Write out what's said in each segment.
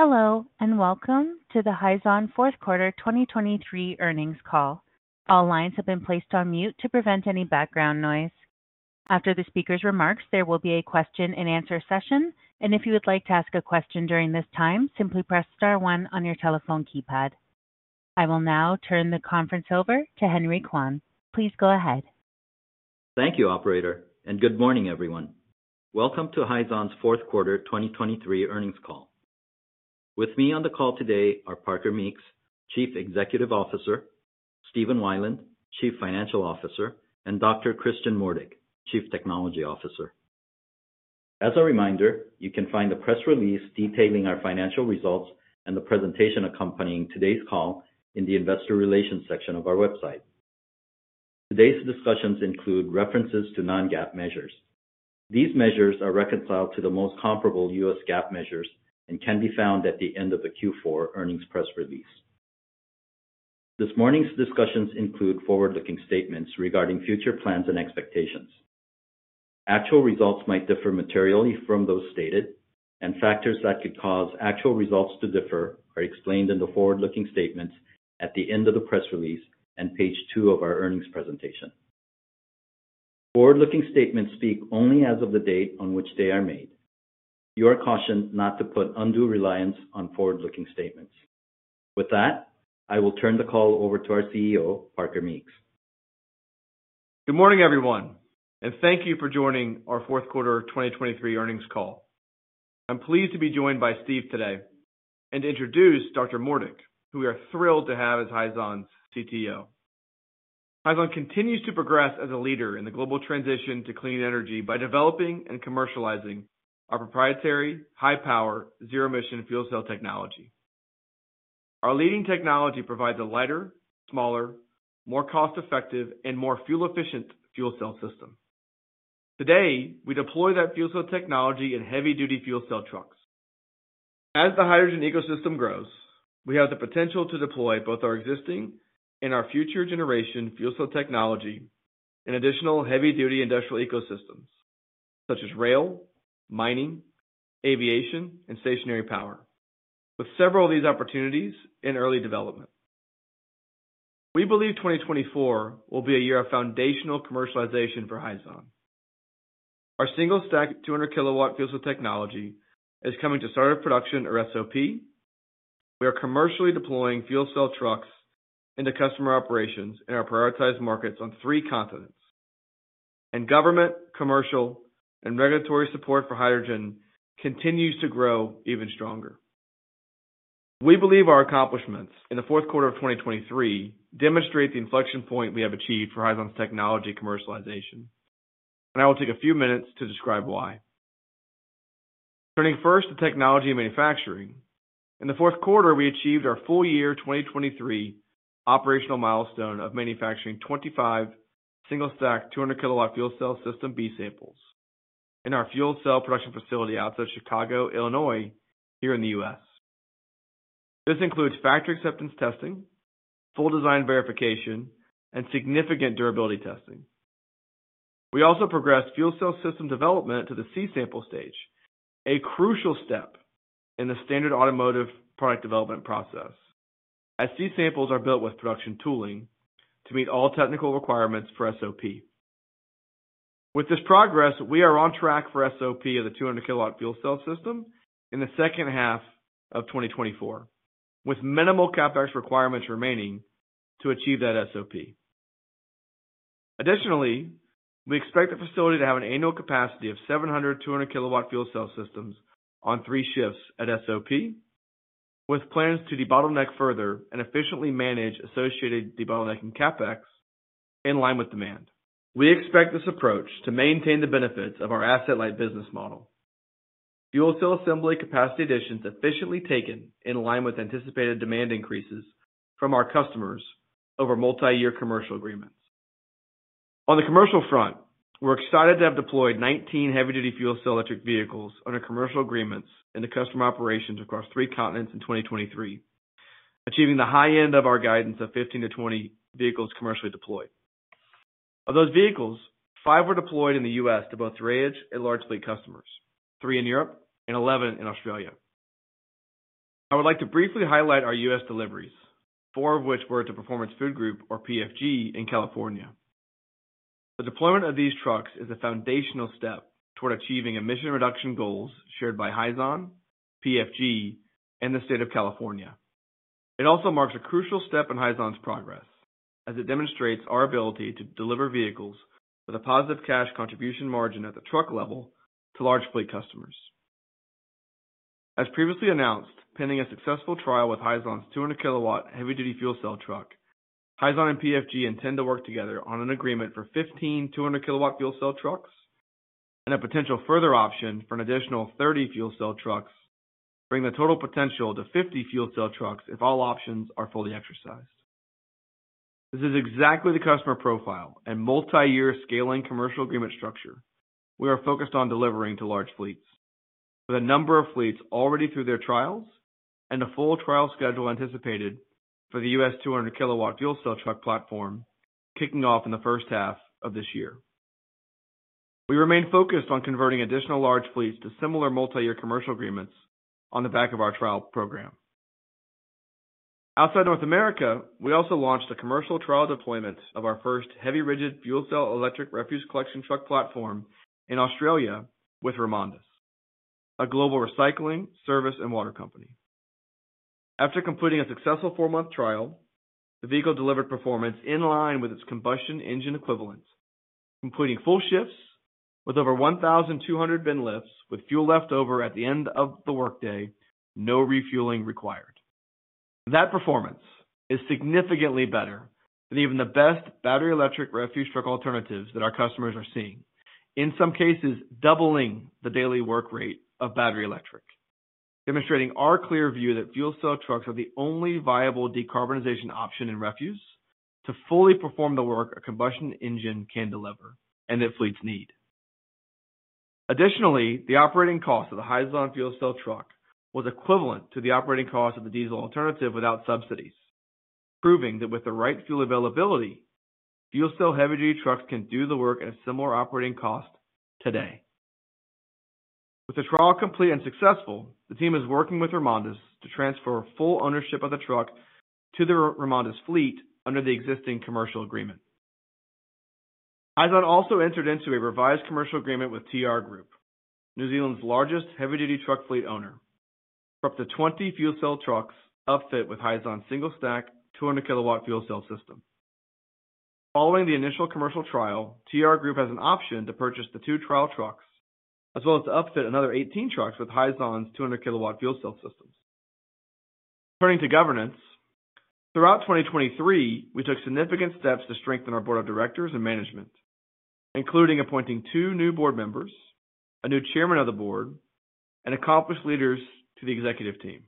Hello and welcome to the Hyzon Q4 2023 Earnings Call. All lines have been placed on mute to prevent any background noise. After the speaker's remarks, there will be a question-and-answer session, and if you would like to ask a question during this time, simply press star one on your telephone keypad. I will now turn the conference over to Henry Kwon. Please go ahead. Thank you, operator, and good morning, everyone. Welcome to Hyzon's Q4 2023 Earnings Call. With me on the call today are Parker Meeks, Chief Executive Officer; Stephen Weiland, Chief Financial Officer; and Dr. Christian Mohrdieck, Chief Technology Officer. As a reminder, you can find the press release detailing our financial results and the presentation accompanying today's call in the Investor Relations section of our website. Today's discussions include references to non-GAAP measures. These measures are reconciled to the most comparable U.S. GAAP measures and can be found at the end of the Q4 earnings press release. This morning's discussions include forward-looking statements regarding future plans and expectations. Actual results might differ materially from those stated, and factors that could cause actual results to differ are explained in the forward-looking statements at the end of the press release and page two of our earnings presentation. Forward-looking statements speak only as of the date on which they are made. You are cautioned not to put undue reliance on forward-looking statements. With that, I will turn the call over to our CEO, Parker Meeks. Good morning, everyone, and thank you for joining our Q4 2023 Earnings Call. I'm pleased to be joined by Steve today and to introduce Dr. Mohrdieck, who we are thrilled to have as Hyzon's CTO. Hyzon continues to progress as a leader in the global transition to clean energy by developing and commercializing our proprietary, high-power, zero-emission fuel cell technology. Our leading technology provides a lighter, smaller, more cost-effective, and more fuel-efficient fuel cell system. Today, we deploy that fuel cell technology in heavy-duty fuel cell trucks. As the hydrogen ecosystem grows, we have the potential to deploy both our existing and our future generation fuel cell technology in additional heavy-duty industrial ecosystems such as rail, mining, aviation, and stationary power, with several of these opportunities in early development. We believe 2024 will be a year of foundational commercialization for Hyzon. Our single-stack 200 kW fuel cell technology is coming to Start of Production or SOP. We are commercially deploying fuel cell trucks into customer operations in our prioritized markets on three continents, and government, commercial, and regulatory support for hydrogen continues to grow even stronger. We believe our accomplishments in the Q4 of 2023 demonstrate the inflection point we have achieved for Hyzon's technology commercialization, and I will take a few minutes to describe why. Turning first to technology and manufacturing, in the Q4 we achieved our full year 2023 operational milestone of manufacturing 25 single-stack 200 kW fuel cell system B-samples in our fuel cell production facility outside Chicago, Illinois, here in the U.S. This includes factory acceptance testing, full design verification, and significant durability testing. We also progressed fuel cell system development to the C-Sample stage, a crucial step in the standard automotive product development process, as C-Samples are built with production tooling to meet all technical requirements for SOP. With this progress, we are on track for SOP of the 200 kW fuel cell system in the second half of 2024, with minimal CapEx requirements remaining to achieve that SOP. Additionally, we expect the facility to have an annual capacity of 700 200 kW fuel cell systems on three shifts at SOP, with plans to debottleneck further and efficiently manage associated debottlenecking CapEx in line with demand. We expect this approach to maintain the benefits of our Asset-Light business model: fuel cell assembly capacity additions efficiently taken in line with anticipated demand increases from our customers over multi-year commercial agreements. On the commercial front, we're excited to have deployed 19 heavy-duty fuel cell electric vehicles under commercial agreements into customer operations across three continents in 2023, achieving the high end of our guidance of 15 to 20 vehicles commercially deployed. Of those vehicles, five were deployed in the U.S. to both drayage and large fleet customers, three in Europe and 11 in Australia. I would like to briefly highlight our U.S. deliveries, four of which were to Performance Food Group, or PFG, in California. The deployment of these trucks is a foundational step toward achieving emission reduction goals shared by Hyzon, PFG, and the state of California. It also marks a crucial step in Hyzon's progress, as it demonstrates our ability to deliver vehicles with a positive cash contribution margin at the truck level to large fleet customers. As previously announced, pending a successful trial with Hyzon's 200 kW heavy-duty fuel cell truck, Hyzon and PFG intend to work together on an agreement for 15 200 kW fuel cell trucks, and a potential further option for an additional 30 fuel cell trucks bring the total potential to 50 fuel cell trucks if all options are fully exercised. This is exactly the customer profile and multi-year scaling commercial agreement structure we are focused on delivering to large fleets, with a number of fleets already through their trials and a full trial schedule anticipated for the U.S. 200 kW fuel cell truck platform kicking off in the first half of this year. We remain focused on converting additional large fleets to similar multi-year commercial agreements on the back of our trial program. Outside North America, we also launched a commercial trial deployment of our first heavy rigid fuel cell electric refuse collection truck platform in Australia with REMONDIS, a global recycling, service, and water company. After completing a successful four-month trial, the vehicle delivered performance in line with its combustion engine equivalent, completing full shifts with over 1,200 bin lifts with fuel left over at the end of the workday, no refueling required. That performance is significantly better than even the best battery electric refuse truck alternatives that our customers are seeing, in some cases doubling the daily work rate of battery electric, demonstrating our clear view that fuel cell trucks are the only viable decarbonization option in refuse to fully perform the work a combustion engine can deliver and that fleets need. Additionally, the operating cost of the Hyzon fuel cell truck was equivalent to the operating cost of the diesel alternative without subsidies, proving that with the right fuel availability, fuel cell heavy-duty trucks can do the work at a similar operating cost today. With the trial complete and successful, the team is working with REMONDIS to transfer full ownership of the truck to the REMONDIS fleet under the existing commercial agreement. Hyzon also entered into a revised commercial agreement with TR Group, New Zealand's largest heavy-duty truck fleet owner, for up to 20 fuel cell trucks upfit with Hyzon's single-stack 200 kW fuel cell system. Following the initial commercial trial, TR Group has an option to purchase the two trial trucks as well as to upfit another 18 trucks with Hyzon's 200 kW fuel cell systems. Turning to governance, throughout 2023 we took significant steps to strengthen our board of directors and management, including appointing two new board members, a new chairman of the board, and accomplished leaders to the executive team.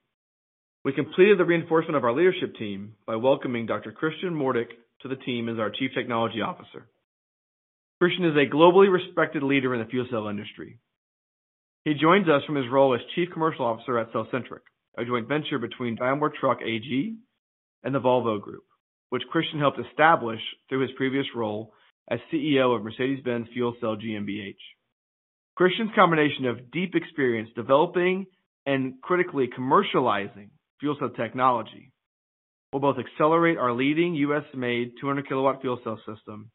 We completed the reinforcement of our leadership team by welcoming Dr. Christian Mohrdieck to the team as our Chief Technology Officer. Christian is a globally respected leader in the fuel cell industry. He joins us from his role as Chief Commercial Officer at cellcentric, a joint venture between Daimler Truck AG and the Volvo Group, which Christian helped establish through his previous role as CEO of Mercedes-Benz Fuel Cell GmbH. Christian's combination of deep experience developing and critically commercializing fuel cell technology will both accelerate our leading U.S. made 200 kW fuel cell system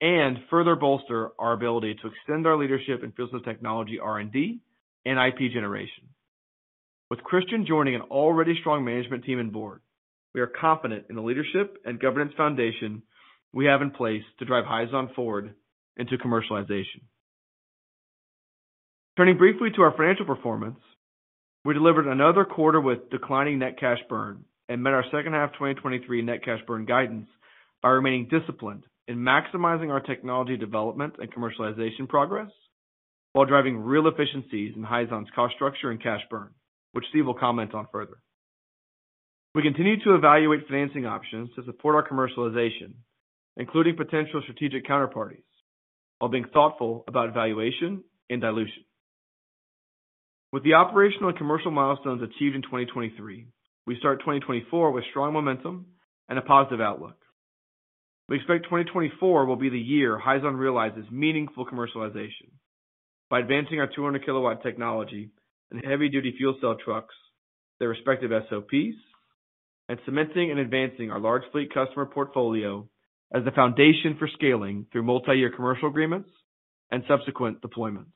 and further bolster our ability to extend our leadership in fuel cell technology R&D and IP generation. With Christian joining an already strong management team and board, we are confident in the leadership and governance foundation we have in place to drive Hyzon forward into commercialization. Turning briefly to our financial performance, we delivered another quarter with declining net cash burn and met our second half 2023 net cash burn guidance by remaining disciplined in maximizing our technology development and commercialization progress while driving real efficiencies in Hyzon's cost structure and cash burn, which Steve will comment on further. We continue to evaluate financing options to support our commercialization, including potential strategic counterparties, while being thoughtful about valuation and dilution. With the operational and commercial milestones achieved in 2023, we start 2024 with strong momentum and a positive outlook. We expect 2024 will be the year Hyzon realizes meaningful commercialization by advancing our 200 kW technology in heavy-duty fuel cell trucks, their respective SOPs, and cementing and advancing our large fleet customer portfolio as the foundation for scaling through multi-year commercial agreements and subsequent deployments.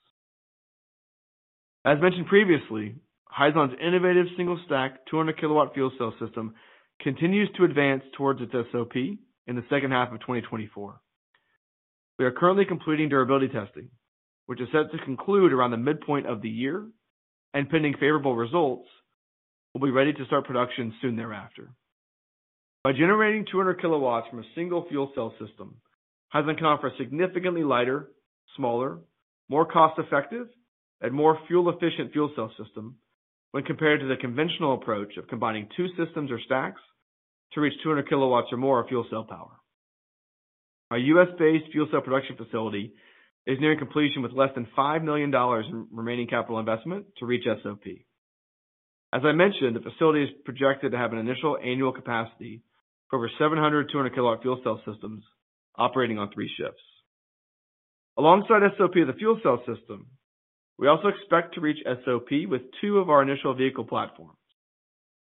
As mentioned previously, Hyzon's innovative single-stack 200 kW fuel cell system continues to advance towards its SOP in the second half of 2024. We are currently completing durability testing, which is set to conclude around the midpoint of the year, and pending favorable results, we'll be ready to start production soon thereafter. By generating 200 kW from a single fuel cell system, Hyzon can offer a significantly lighter, smaller, more cost-effective, and more fuel-efficient fuel cell system when compared to the conventional approach of combining two systems or stacks to reach 200 kW or more of fuel cell power. Our U.S. based fuel cell production facility is nearing completion with less than $5 million in remaining capital investment to reach SOP. As I mentioned, the facility is projected to have an initial annual capacity for over 700 200 kW fuel cell systems operating on three shifts. Alongside SOP of the fuel cell system, we also expect to reach SOP with two of our initial vehicle platforms: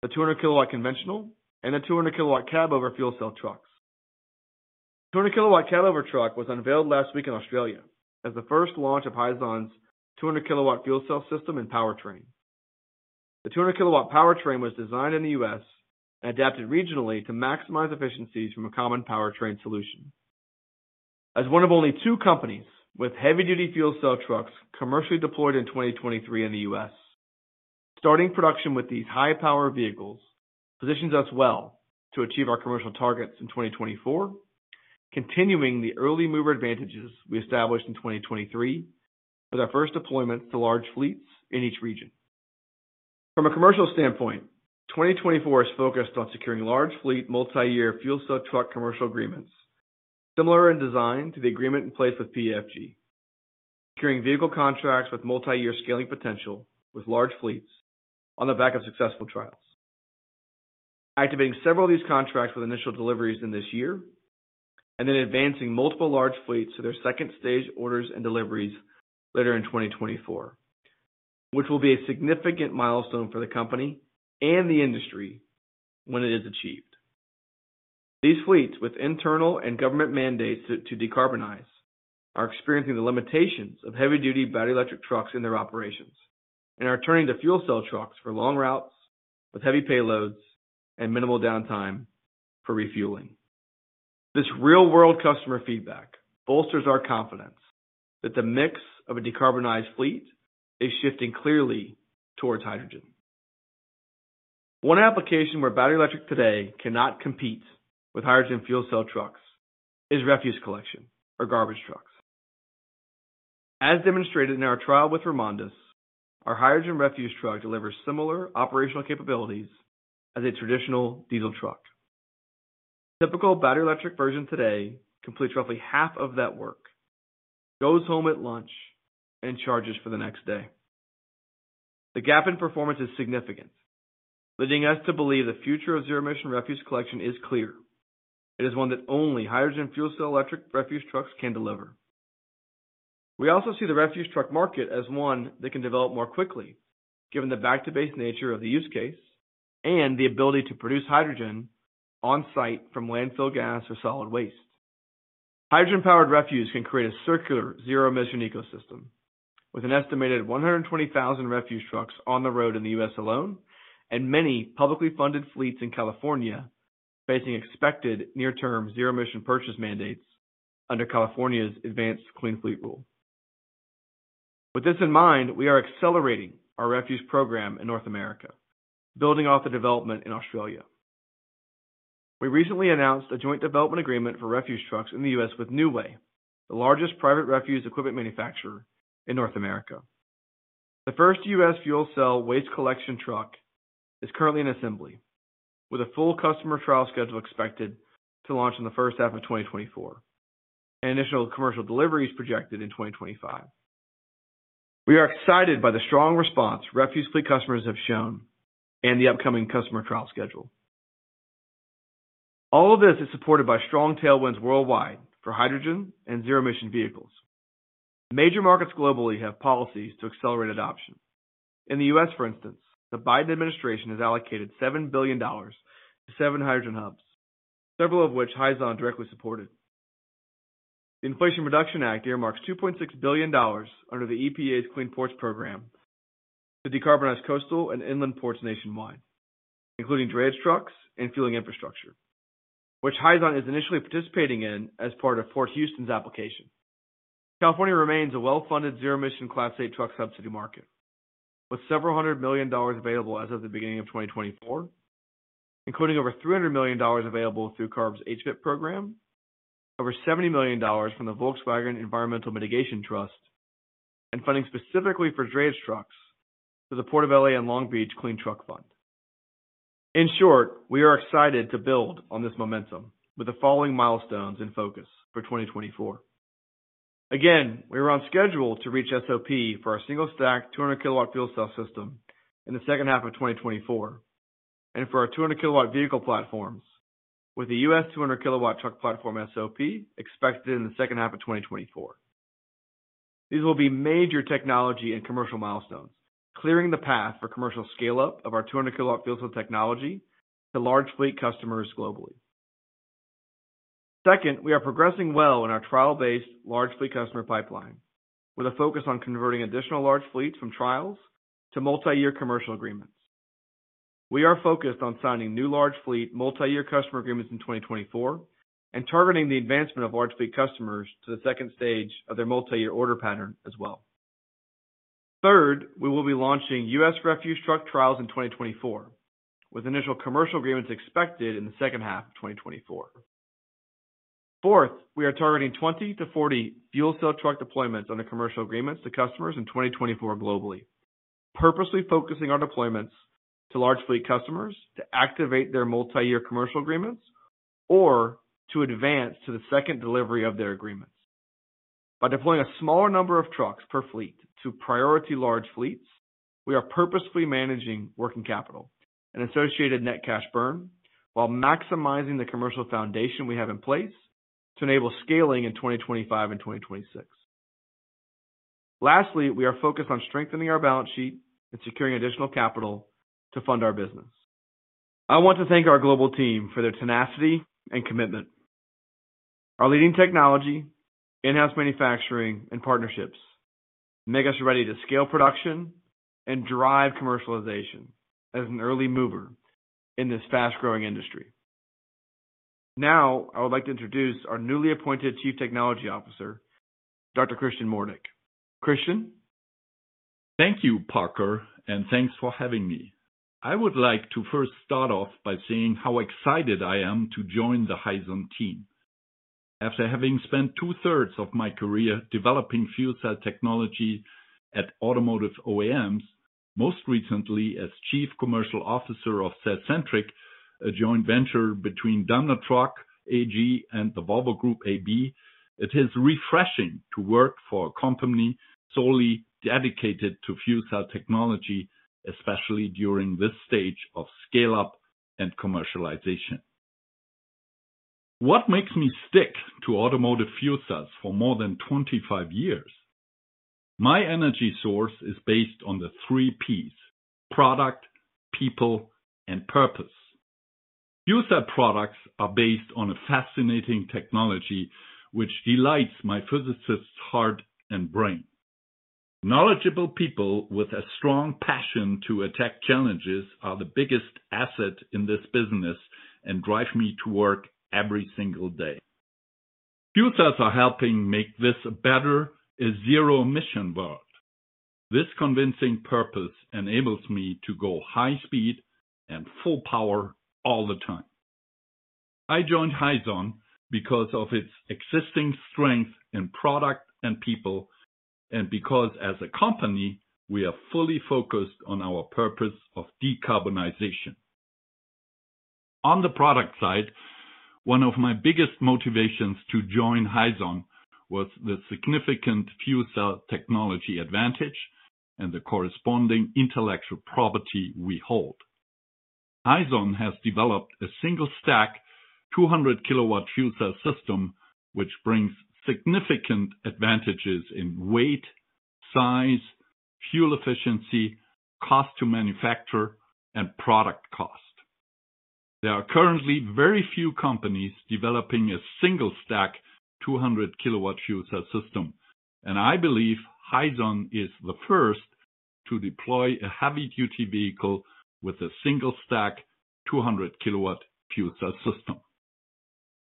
the 200 kW conventional and the 200 kW Cab-Over fuel cell trucks. The 200 kilowatt Cab-Over truck was unveiled last week in Australia as the first launch of Hyzon's 200 kW fuel cell system and powertrain. The 200 kW powertrain was designed in the U.S. and adapted regionally to maximize efficiencies from a common powertrain solution. As one of only two companies with heavy-duty fuel cell trucks commercially deployed in 2023 in the U.S., starting production with these high-power vehicles positions us well to achieve our commercial targets in 2024, continuing the early mover advantages we established in 2023 with our first deployments to large fleets in each region. From a commercial standpoint, 2024 is focused on securing large fleet multi-year fuel cell truck commercial agreements similar in design to the agreement in place with PFG, securing vehicle contracts with multi-year scaling potential with large fleets on the back of successful trials, activating several of these contracts with initial deliveries in this year, and then advancing multiple large fleets to their second stage orders and deliveries later in 2024, which will be a significant milestone for the company and the industry when it is achieved. These fleets, with internal and government mandates to decarbonize, are experiencing the limitations of heavy-duty battery electric trucks in their operations and are turning to fuel cell trucks for long routes with heavy payloads and minimal downtime for refueling. This real-world customer feedback bolsters our confidence that the mix of a decarbonized fleet is shifting clearly towards hydrogen. One application where battery electric today cannot compete with hydrogen fuel cell trucks is refuse collection, or garbage trucks. As demonstrated in our trial with REMONDIS, our hydrogen refuse truck delivers similar operational capabilities as a traditional diesel truck. The typical battery electric version today completes roughly half of that work, goes home at lunch, and charges for the next day. The gap in performance is significant, leading us to believe the future of zero-emission refuse collection is clear. It is one that only hydrogen fuel cell electric refuse trucks can deliver. We also see the refuse truck market as one that can develop more quickly given the back-to-base nature of the use case and the ability to produce hydrogen on-site from landfill gas or solid waste. Hydrogen-powered refuse can create a circular zero-emission ecosystem, with an estimated 120,000 refuse trucks on the road in the U.S. alone and many publicly funded fleets in California facing expected near-term zero-emission purchase mandates under California's Advanced Clean Fleets Rule. With this in mind, we are accelerating our refuse program in North America, building off the development in Australia. We recently announced a joint development agreement for refuse trucks in the U.S. with New Way, the largest private refuse equipment manufacturer in North America. The first U.S. fuel cell waste collection truck is currently in assembly, with a full customer trial schedule expected to launch in the first half of 2024 and additional commercial deliveries projected in 2025. We are excited by the strong response refuse fleet customers have shown and the upcoming customer trial schedule. All of this is supported by strong tailwinds worldwide for hydrogen and zero-emission vehicles. Major markets globally have policies to accelerate adoption. In the U.S., for instance, the Biden administration has allocated $7 billion to seven hydrogen hubs, several of which Hyzon directly supported. The Inflation Reduction Act earmarks $2.6 billion under the EPA's Clean Ports Program to decarbonize coastal and inland ports nationwide, including drayage trucks and fueling infrastructure, which Hyzon is initially participating in as part of Port Houston's application. California remains a well-funded zero-emission Class 8 truck subsidy market, with several hundred million dollar available as of the beginning of 2024, including over $300 million available through CARB's HVIP program, over $70 million from the Volkswagen Environmental Mitigation Trust, and funding specifically for drayage trucks through the Port of Los Angeles and Port of Long Beach Clean Truck Fund. In short, we are excited to build on this momentum with the following milestones in focus for 2024. Again, we are on schedule to reach SOP for our single-stack 200 kW fuel cell system in the second half of 2024 and for our 200 kW vehicle platforms, with the U.S. 200 kW truck platform SOP expected in the second half of 2024. These will be major technology and commercial milestones, clearing the path for commercial scale-up of our 200 kW fuel cell technology to large fleet customers globally. Second, we are progressing well in our trial-based large fleet customer pipeline, with a focus on converting additional large fleets from trials to multi-year commercial agreements. We are focused on signing new large fleet multi-year customer agreements in 2024 and targeting the advancement of large fleet customers to the second stage of their multi-year order pattern as well. Third, we will be launching U.S. refuse truck trials in 2024, with initial commercial agreements expected in the second half of 2024. Fourth, we are targeting 20 to 40 fuel cell truck deployments under commercial agreements to customers in 2024 globally, purposely focusing our deployments to large fleet customers to activate their multi-year commercial agreements or to advance to the second delivery of their agreements. By deploying a smaller number of trucks per fleet to priority large fleets, we are purposefully managing working capital and associated net cash burn while maximizing the commercial foundation we have in place to enable scaling in 2025 and 2026. Lastly, we are focused on strengthening our balance sheet and securing additional capital to fund our business. I want to thank our global team for their tenacity and commitment. Our leading technology, in-house manufacturing, and partnerships make us ready to scale production and drive commercialization as an early mover in this fast-growing industry. Now, I would like to introduce our newly appointed Chief Technology Officer, Dr. Christian Mohrdieck. Christian? Thank you, Parker, and thanks for having me. I would like to first start off by saying how excited I am to join the Hyzon team. After having spent two-thirds of my career developing fuel cell technology at automotive OEMs, most recently as Chief Commercial Officer of cellcentric, a joint venture between Daimler Truck AG and the Volvo Group, it is refreshing to work for a company solely dedicated to fuel cell technology, especially during this stage of scale-up and commercialization. What makes me stick to automotive fuel cells for more than 25 years? My energy source is based on the three P's: product, people, and purpose. Fuel cell products are based on a fascinating technology which delights my physicist's heart and brain. Knowledgeable people with a strong passion to attack challenges are the biggest asset in this business and drive me to work every single day. Fuel cells are helping make this a better zero-emission world. This convincing purpose enables me to go high speed and full power all the time. I joined Hyzon because of its existing strength in product and people and because, as a company, we are fully focused on our purpose of decarbonization. On the product side, one of my biggest motivations to join Hyzon was the significant fuel cell technology advantage and the corresponding intellectual property we hold. Hyzon has developed a single-stack 200 kW fuel cell system which brings significant advantages in weight, size, fuel efficiency, cost to manufacture, and product cost. There are currently very few companies developing a single-stack 200 kW fuel cell system, and I believe Hyzon is the first to deploy a heavy-duty vehicle with a single-stack 200 kW fuel cell system.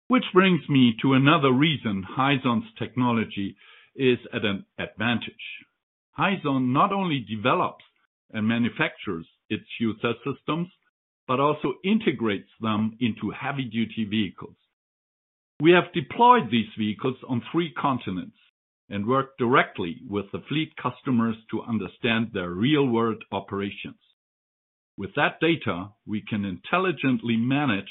Which brings me to another reason Hyzon's technology is at an advantage. Hyzon not only develops and manufactures its fuel cell systems but also integrates them into heavy-duty vehicles. We have deployed these vehicles on three continents and worked directly with the fleet customers to understand their real-world operations. With that data, we can intelligently manage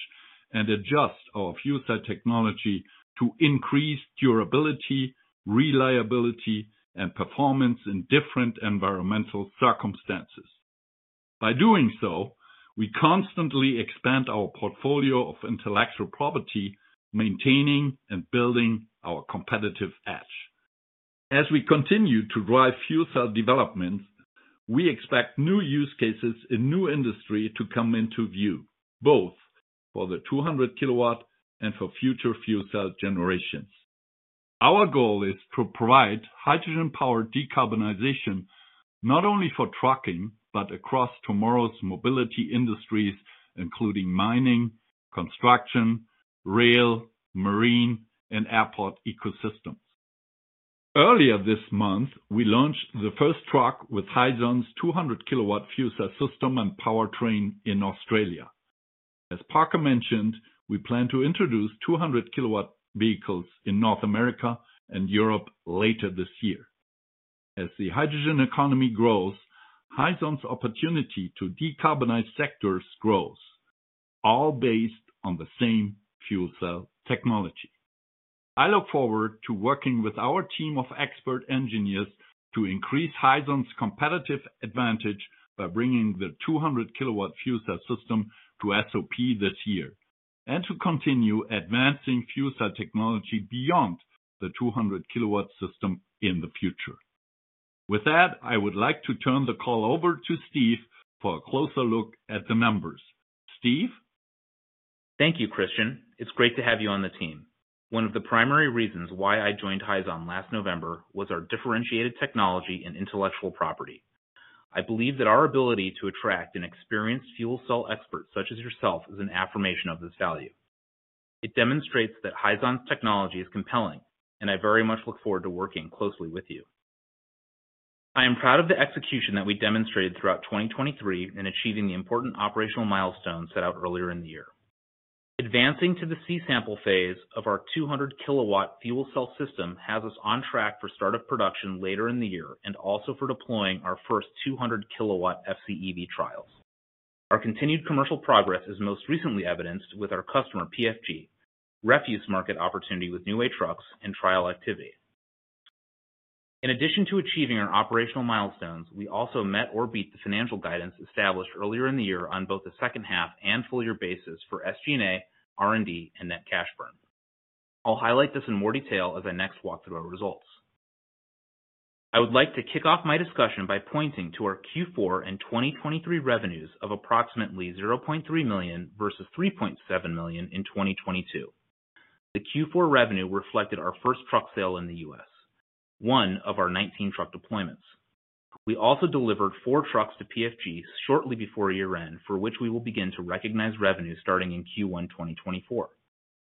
and adjust our fuel cell technology to increase durability, reliability, and performance in different environmental circumstances. By doing so, we constantly expand our portfolio of intellectual property, maintaining and building our competitive edge. As we continue to drive fuel cell developments, we expect new use cases in new industries to come into view, both for the 200 kW and for future fuel cell generations. Our goal is to provide hydrogen-powered decarbonization not only for trucking but across tomorrow's mobility industries, including mining, construction, rail, marine, and airport ecosystems. Earlier this month, we launched the first truck with Hyzon's 200 kW fuel cell system and powertrain in Australia. As Parker mentioned, we plan to introduce 200 kW vehicles in North America and Europe later this year. As the hydrogen economy grows, Hyzon's opportunity to decarbonize sectors grows, all based on the same fuel cell technology. I look forward to working with our team of expert engineers to increase Hyzon's competitive advantage by bringing the 200 kW fuel cell system to SOP this year and to continue advancing fuel cell technology beyond the 200 kW system in the future. With that, I would like to turn the call over to Steve for a closer look at the numbers. Steve? Thank you, Christian. It's great to have you on the team. One of the primary reasons why I joined Hyzon last November was our differentiated technology and intellectual property. I believe that our ability to attract an experienced fuel cell expert such as yourself is an affirmation of this value. It demonstrates that Hyzon's technology is compelling, and I very much look forward to working closely with you. I am proud of the execution that we demonstrated throughout 2023 in achieving the important operational milestones set out earlier in the year. Advancing to the C-sample phase of our 200 kW fuel cell system has us on track for Start of Production later in the year and also for deploying our first 200 kW FCEV trials. Our continued commercial progress is most recently evidenced with our customer PFG, refuse market opportunity with New Way trucks, and trial activity. In addition to achieving our operational milestones, we also met or beat the financial guidance established earlier in the year on both the second half and full-year basis for SG&A, R&D, and net cash burn. I'll highlight this in more detail as I next walk through our results. I would like to kick off my discussion by pointing to our Q4 and 2023 revenues of approximately $0.3 million versus $3.7 million in 2022. The Q4 revenue reflected our first truck sale in the U.S., one of our 19 truck deployments. We also delivered four trucks to PFG shortly before year-end, for which we will begin to recognize revenue starting in Q1 2024.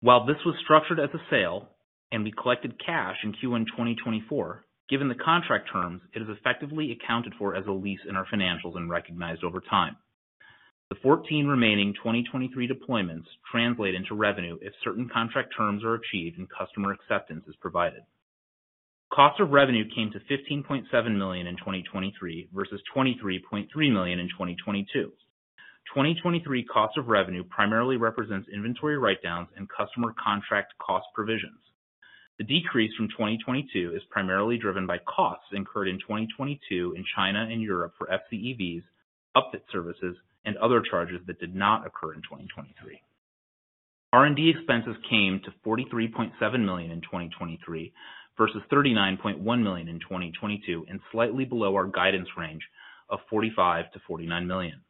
While this was structured as a sale and we collected cash in Q1 2024, given the contract terms, it is effectively accounted for as a lease in our financials and recognized over time. The 14 remaining 2023 deployments translate into revenue if certain contract terms are achieved and customer acceptance is provided. Cost of revenue came to $15.7 million in 2023 versus $23.3 million in 2022. 2023 cost of revenue primarily represents inventory write-downs and customer contract cost provisions. The decrease from 2022 is primarily driven by costs incurred in 2022 in China and Europe for FCEVs, upfit services, and other charges that did not occur in 2023. R&D expenses came to $43.7 million in 2023 versus $39.1 million in 2022 and slightly below our guidance range of $45 to $49 million.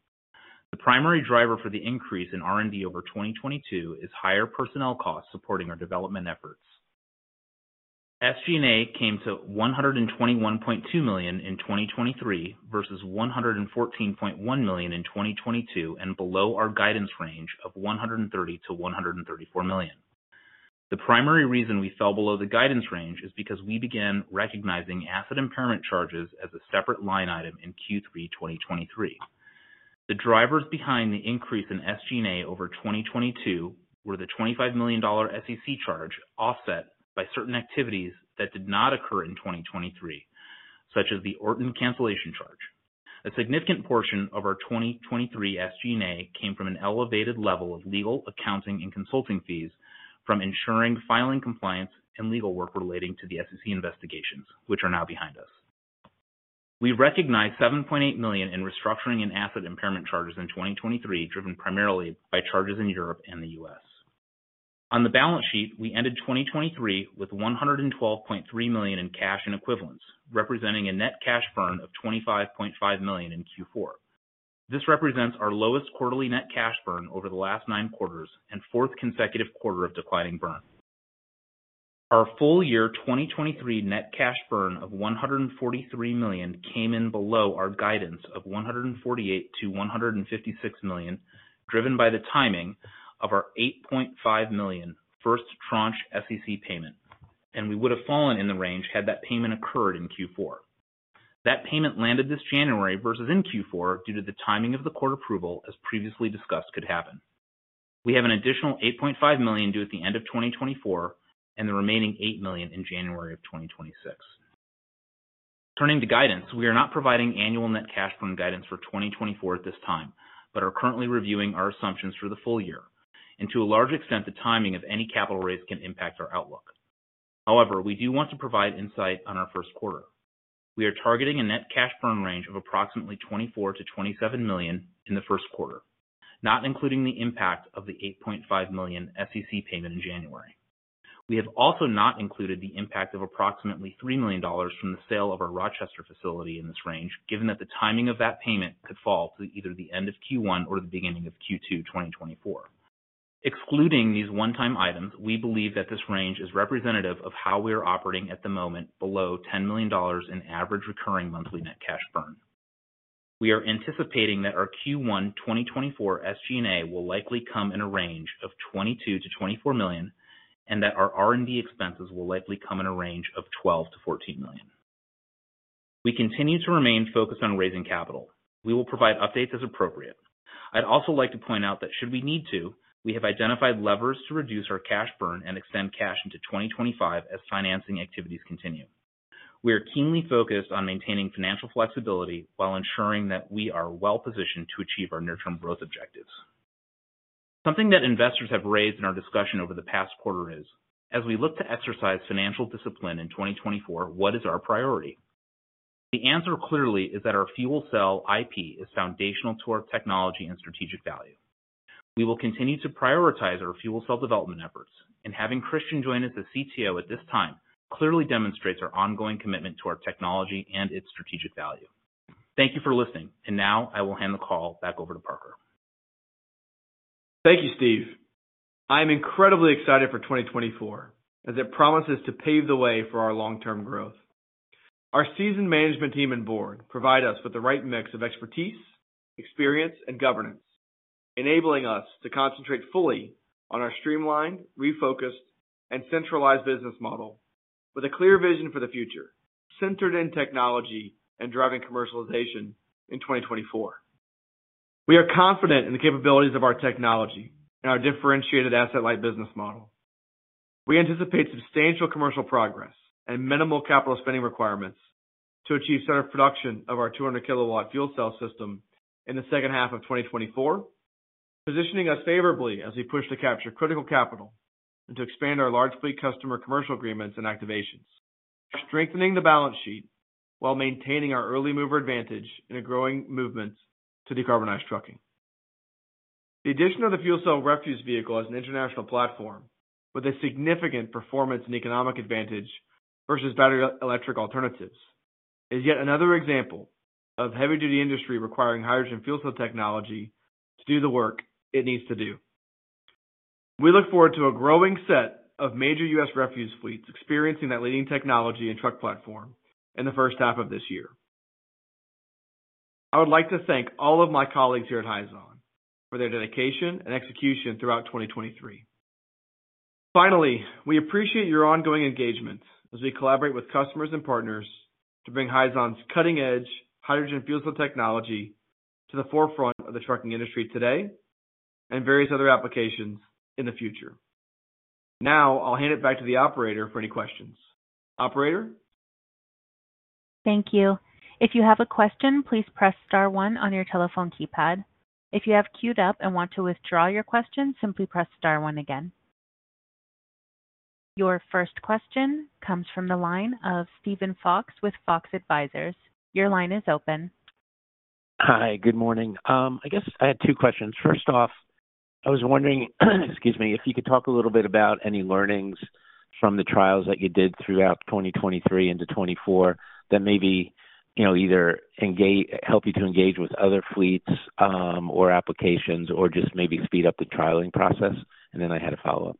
The primary driver for the increase in R&D over 2022 is higher personnel costs supporting our development efforts. SG&A came to $121.2 million in 2023 versus $114.1 million in 2022 and below our guidance range of $130 to $134 million. The primary reason we fell below the guidance range is because we began recognizing asset impairment charges as a separate line item in Q3 2023. The drivers behind the increase in SG&A over 2022 were the $25 million SEC charge offset by certain activities that did not occur in 2023, such as the Orten cancellation charge. A significant portion of our 2023 SG&A came from an elevated level of legal, accounting, and consulting fees from ensuring filing compliance and legal work relating to the SEC investigations, which are now behind us. We recognize $7.8 million in restructuring and asset impairment charges in 2023, driven primarily by charges in Europe and the U.S. On the balance sheet, we ended 2023 with $112.3 million in cash and equivalents, representing a net cash burn of $25.5 million in Q4. This represents our lowest quarterly net cash burn over the last nine quarters and fourth consecutive quarter of declining burn. Our full-year 2023 net cash burn of $143 million came in below our guidance of $148 to $156 million, driven by the timing of our $8.5 million first tranche SEC payment, and we would have fallen in the range had that payment occurred in Q4. That payment landed this January versus in Q4 due to the timing of the quarter approval, as previously discussed could happen. We have an additional $8.5 million due at the end of 2024 and the remaining $8 million in January of 2026. Turning to guidance, we are not providing annual net cash burn guidance for 2024 at this time but are currently reviewing our assumptions for the full year. To a large extent, the timing of any capital raise can impact our outlook. However, we do want to provide insight on our Q1. We are targeting a net cash burn range of approximately $24 to $27 million in the Q1, not including the impact of the $8.5 million SEC payment in January. We have also not included the impact of approximately $3 million from the sale of our Rochester facility in this range, given that the timing of that payment could fall to either the end of Q1 or the beginning of Q2 2024. Excluding these one-time items, we believe that this range is representative of how we are operating at the moment below $10 million in average recurring monthly net cash burn. We are anticipating that our Q1 2024 SG&A will likely come in a range of $22 to $24 million and that our R&D expenses will likely come in a range of $12 to $14 million. We continue to remain focused on raising capital. We will provide updates as appropriate. I'd also like to point out that should we need to, we have identified levers to reduce our cash burn and extend cash into 2025 as financing activities continue. We are keenly focused on maintaining financial flexibility while ensuring that we are well-positioned to achieve our near-term growth objectives. Something that investors have raised in our discussion over the past quarter is, as we look to exercise financial discipline in 2024, what is our priority? The answer clearly is that our fuel cell IP is foundational to our technology and strategic value. We will continue to prioritize our fuel cell development efforts, and having Christian join us as CTO at this time clearly demonstrates our ongoing commitment to our technology and its strategic value. Thank you for listening, and now I will hand the call back over to Parker. Thank you, Steve. I am incredibly excited for 2024 as it promises to pave the way for our long-term growth. Our seasoned management team and board provide us with the right mix of expertise, experience, and governance, enabling us to concentrate fully on our streamlined, refocused, and centralized business model with a clear vision for the future, centered in technology and driving commercialization in 2024. We are confident in the capabilities of our technology and our differentiated Asset-Light business model. We anticipate substantial commercial progress and minimal capital spending requirements to achieve setup production of our 200 kW Fuel Cell System in the second half of 2024, positioning us favorably as we push to capture critical capital and to expand our large-fleet customer commercial agreements and activations, strengthening the balance sheet while maintaining our early-mover advantage in a growing movement to decarbonize trucking. The addition of the fuel cell refuse vehicle as an international platform with a significant performance and economic advantage versus battery electric alternatives is yet another example of heavy-duty industry requiring hydrogen fuel cell technology to do the work it needs to do. We look forward to a growing set of major U.S. refuse fleets experiencing that leading technology and truck platform in the first half of this year. I would like to thank all of my colleagues here at Hyzon for their dedication and execution throughout 2023. Finally, we appreciate your ongoing engagement as we collaborate with customers and partners to bring Hyzon's cutting-edge hydrogen fuel cell technology to the forefront of the trucking industry today and various other applications in the future. Now I'll hand it back to the operator for any questions. Operator? Thank you. If you have a question, please press star one on your telephone keypad. If you have queued up and want to withdraw your question, simply press star one again. Your first question comes from the line of Steven Fox with Fox Advisors. Your line is open. Hi, good morning. I guess I had two questions. First off, I was wondering, excuse me, if you could talk a little bit about any learnings from the trials that you did throughout 2023 into 2024 that maybe either help you to engage with other fleets or applications or just maybe speed up the trialing process, and then I had a follow-up.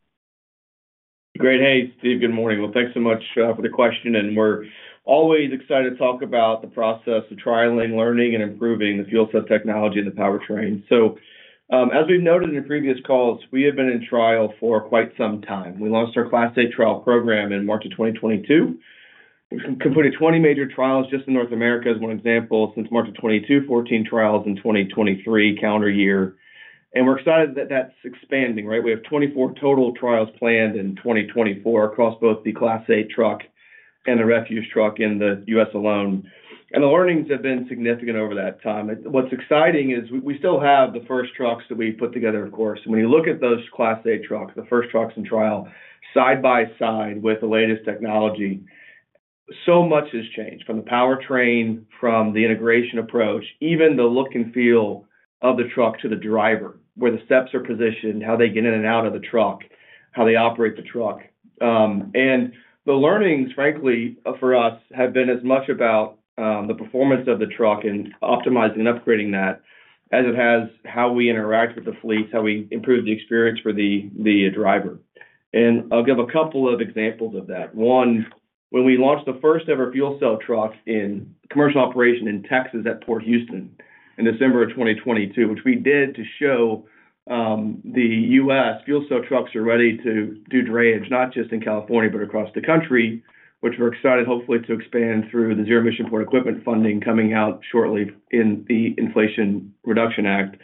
Great. Hey, Steve. Good morning. Well, thanks so much for the question, and we're always excited to talk about the process of trialing, learning, and improving the fuel cell technology and the powertrain. So as we've noted in previous calls, we have been in trial for quite some time. We launched our Class 8 trial program in March of 2022. We completed 20 major trials just in North America as one example. Since March of 2022, 14 trials in 2023 calendar year, and we're excited that that's expanding, right? We have 24 total trials planned in 2024 across both the Class 8 truck and the refuse truck in the U.S. alone. And the learnings have been significant over that time. What's exciting is we still have the first trucks that we put together, of course. When you look at those Class 8 trucks, the first trucks in trial side by side with the latest technology, so much has changed from the powertrain, from the integration approach, even the look and feel of the truck to the driver, where the steps are positioned, how they get in and out of the truck, how they operate the truck. The learnings, frankly, for us have been as much about the performance of the truck and optimizing and upgrading that as it has how we interact with the fleets, how we improve the experience for the driver. I'll give a couple of examples of that. One, when we launched the first-ever fuel cell truck in commercial operation in Texas at Port Houston in December of 2022, which we did to show the U.S. Fuel cell trucks are ready to do drayage, not just in California but across the country, which we're excited hopefully to expand through the zero-emission port equipment funding coming out shortly in the Inflation Reduction Act.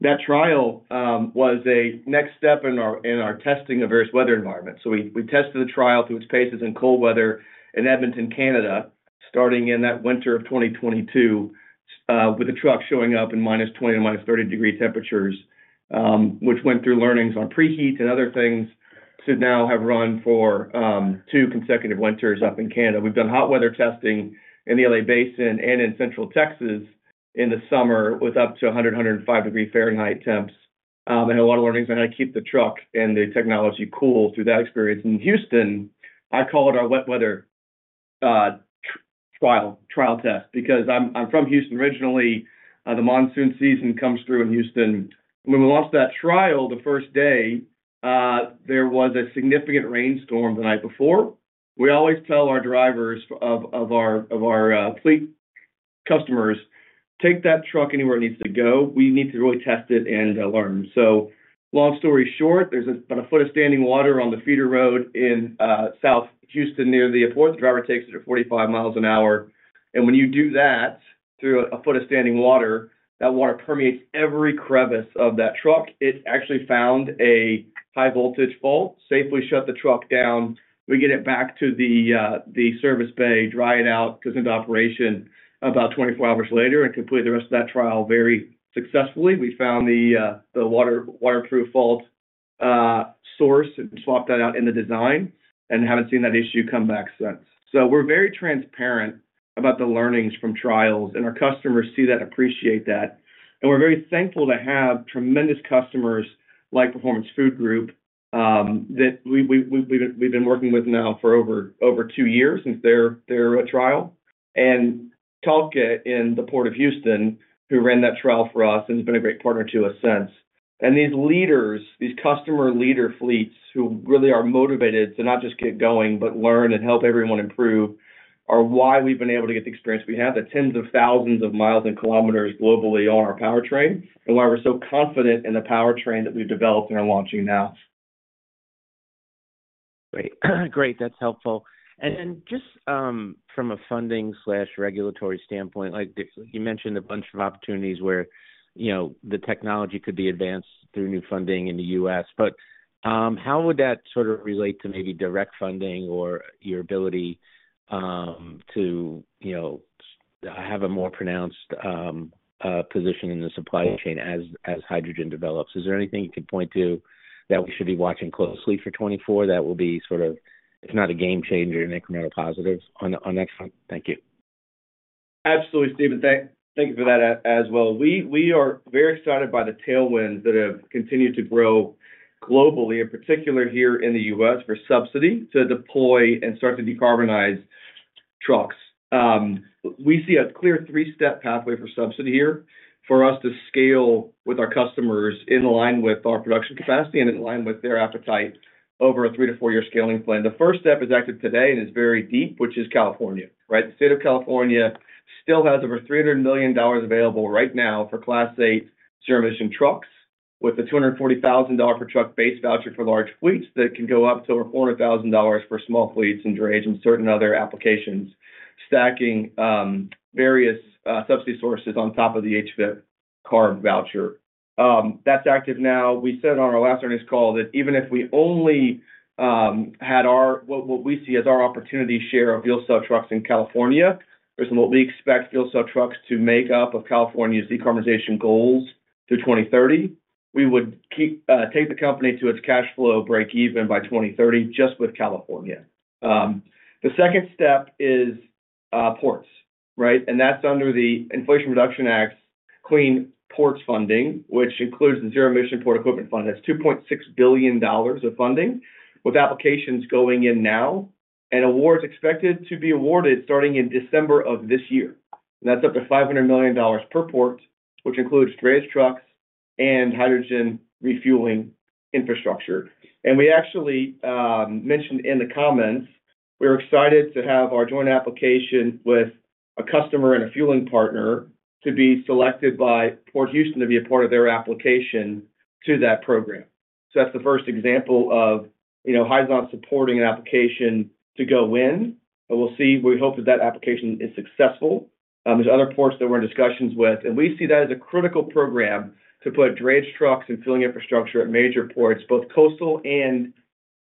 That trial was a next step in our testing of various weather environments. So we tested the trial through its paces in cold weather in Edmonton, Canada, starting in that winter of 2022 with the truck showing up in -20 to -30 degrees temperatures, which went through learnings on preheat and other things should now have run for two consecutive winters up in Canada. We've done hot weather testing in the L.A. Basin and in central Texas in the summer with up to 100 to 105 degrees Fahrenheit temps. I had a lot of learnings on how to keep the truck and the technology cool through that experience. In Houston, I call it our wet weather trial test because I'm from Houston originally. The monsoon season comes through in Houston. When we launched that trial the first day, there was a significant rainstorm the night before. We always tell our drivers of our fleet customers, "Take that truck anywhere it needs to go. We need to really test it and learn." So long story short, there's about a foot of standing water on the feeder road in South Houston near the airport. The driver takes it at 45 miles an hour. And when you do that through a foot of standing water, that water permeates every crevice of that truck. It actually found a high-voltage fault, safely shut the truck down. We get it back to the service bay, dry it out, goes into operation about 24 hours later, and complete the rest of that trial very successfully. We found the waterproof fault source and swapped that out in the design and haven't seen that issue come back since. So we're very transparent about the learnings from trials, and our customers see that and appreciate that. And we're very thankful to have tremendous customers like Performance Food Group that we've been working with now for over two years since their trial, and TALKE in the Port of Houston who ran that trial for us and has been a great partner to us since. And these leaders, these customer leader fleets who really are motivated to not just get going but learn and help everyone improve are why we've been able to get the experience we have, the tens of thousands of miles and kilometers globally on our powertrain, and why we're so confident in the powertrain that we've developed and are launching now. Great. That's helpful. And then just from a funding/regulatory standpoint, you mentioned a bunch of opportunities where the technology could be advanced through new funding in the U.S., but how would that sort of relate to maybe direct funding or your ability to have a more pronounced position in the supply chain as hydrogen develops? Is there anything you could point to that we should be watching closely for 2024 that will be sort of, if not a game changer, an incremental positive on that front? Thank you. Absolutely, Steven. Thank you for that as well. We are very excited by the tailwinds that have continued to grow globally, in particular here in the U.S., for subsidy to deploy and start to decarbonize trucks. We see a clear three-step pathway for subsidy here for us to scale with our customers in line with our production capacity and in line with their appetite over a three-to-four-year scaling plan. The first step is active today and is very deep, which is California, right? The state of California still has over $300 million available right now for Class 8 zero-emission trucks with a $240,000 per truck base voucher for large fleets that can go up to over $400,000 for small fleets and drayage and certain other applications, stacking various subsidy sources on top of the HVIP CARB voucher. That's active now. We said on our last earnings call that even if we only had what we see as our opportunity share of fuel cell trucks in California versus what we expect fuel cell trucks to make up of California's decarbonization goals through 2030, we would take the company to its cash flow break-even by 2030 just with California. The second step is ports, right? And that's under the Inflation Reduction Act's Clean Ports Funding, which includes the Zero Emission Port Equipment Fund. That's $2.6 billion of funding with applications going in now and awards expected to be awarded starting in December of this year. And that's up to $500 million per port, which includes drayage trucks and hydrogen refueling infrastructure. We actually mentioned in the comments, we were excited to have our joint application with a customer and a fueling partner to be selected by Port Houston to be a part of their application to that program. So that's the first example of Hyzon supporting an application to go win. And we'll see. We hope that that application is successful. There's other ports that we're in discussions with, and we see that as a critical program to put drayage trucks and fueling infrastructure at major ports, both coastal and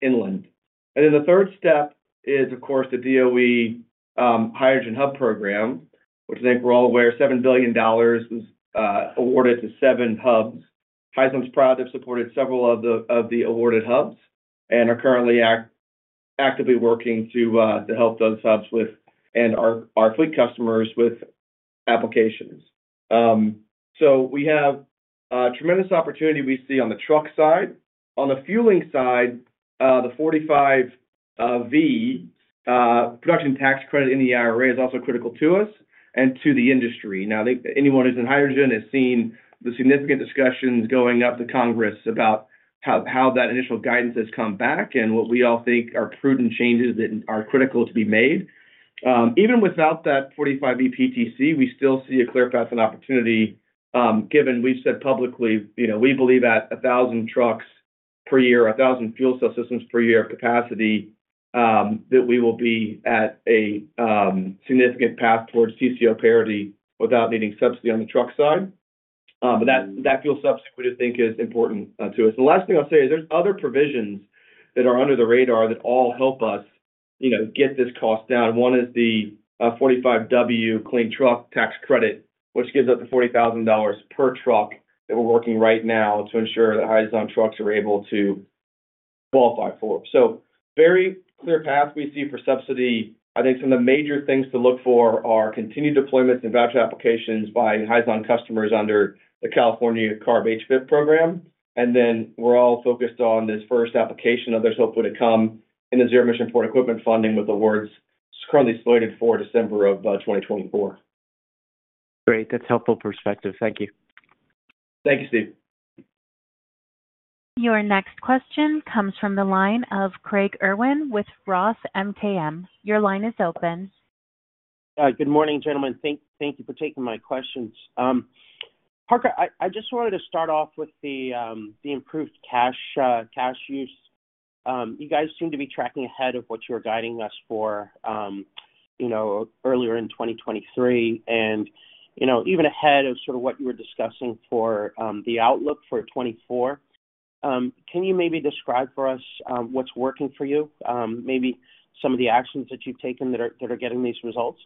inland. And then the third step is, of course, the DOE Hydrogen Hub Program, which I think we're all aware, $7 billion was awarded to seven hubs. Hyzon's proud to have supported several of the awarded hubs and are currently actively working to help those hubs and our fleet customers with applications. So we have a tremendous opportunity we see on the truck side. On the fueling side, the 45V Production Tax Credit in the IRA is also critical to us and to the industry. Now, anyone who's in hydrogen has seen the significant discussions going up to Congress about how that initial guidance has come back and what we all think are prudent changes that are critical to be made. Even without that 45V PTC, we still see a clear path and opportunity given we've said publicly, we believe at 1,000 trucks per year, 1,000 fuel cell systems per year of capacity, that we will be at a significant path towards TCO parity without needing subsidy on the truck side. But that fuel subsidy, we do think, is important to us. The last thing I'll say is there's other provisions that are under the radar that all help us get this cost down. One is the 45 W Clean Commercial Vehicle Credit, which gives up to $40,000 per truck that we're working right now to ensure that Hyzon trucks are able to qualify for. So very clear path we see for subsidy. I think some of the major things to look for are continued deployments and voucher applications by Hyzon customers under the California CARB HVIP Program. Then we're all focused on this first application others hope would come in the Clean Ports Program with awards currently slated for December of 2024. Great. That's helpful perspective. Thank you. Thank you, Steve. Your next question comes from the line of Craig Irwin with ROTH MKM. Your line is open. Good morning, gentlemen. Thank you for taking my questions. Parker, I just wanted to start off with the improved cash use. You guys seem to be tracking ahead of what you were guiding us for earlier in 2023 and even ahead of sort of what you were discussing for the outlook for 2024. Can you maybe describe for us what's working for you, maybe some of the actions that you've taken that are getting these results?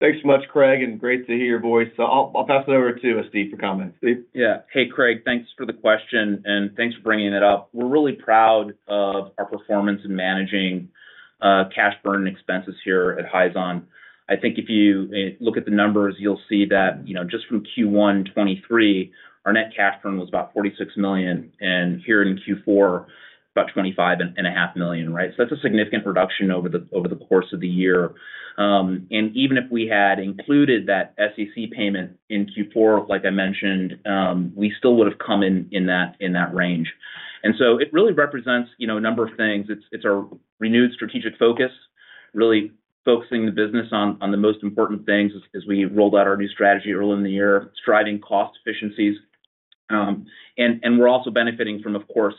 Thanks so much, Craig, and great to hear your voice. I'll pass it over to Steve for comments. Yeah. Hey, Craig. Thanks for the question, and thanks for bringing it up. We're really proud of our performance in managing cash burn and expenses here at Hyzon. I think if you look at the numbers, you'll see that just from Q1 2023, our net cash burn was about $46 million, and here in Q4, about $25.5 million, right? So that's a significant reduction over the course of the year. And even if we had included that SEC payment in Q4, like I mentioned, we still would have come in that range. And so it really represents a number of things. It's our renewed strategic focus, really focusing the business on the most important things as we rolled out our new strategy early in the year, striving cost efficiencies. We're also benefiting from, of course,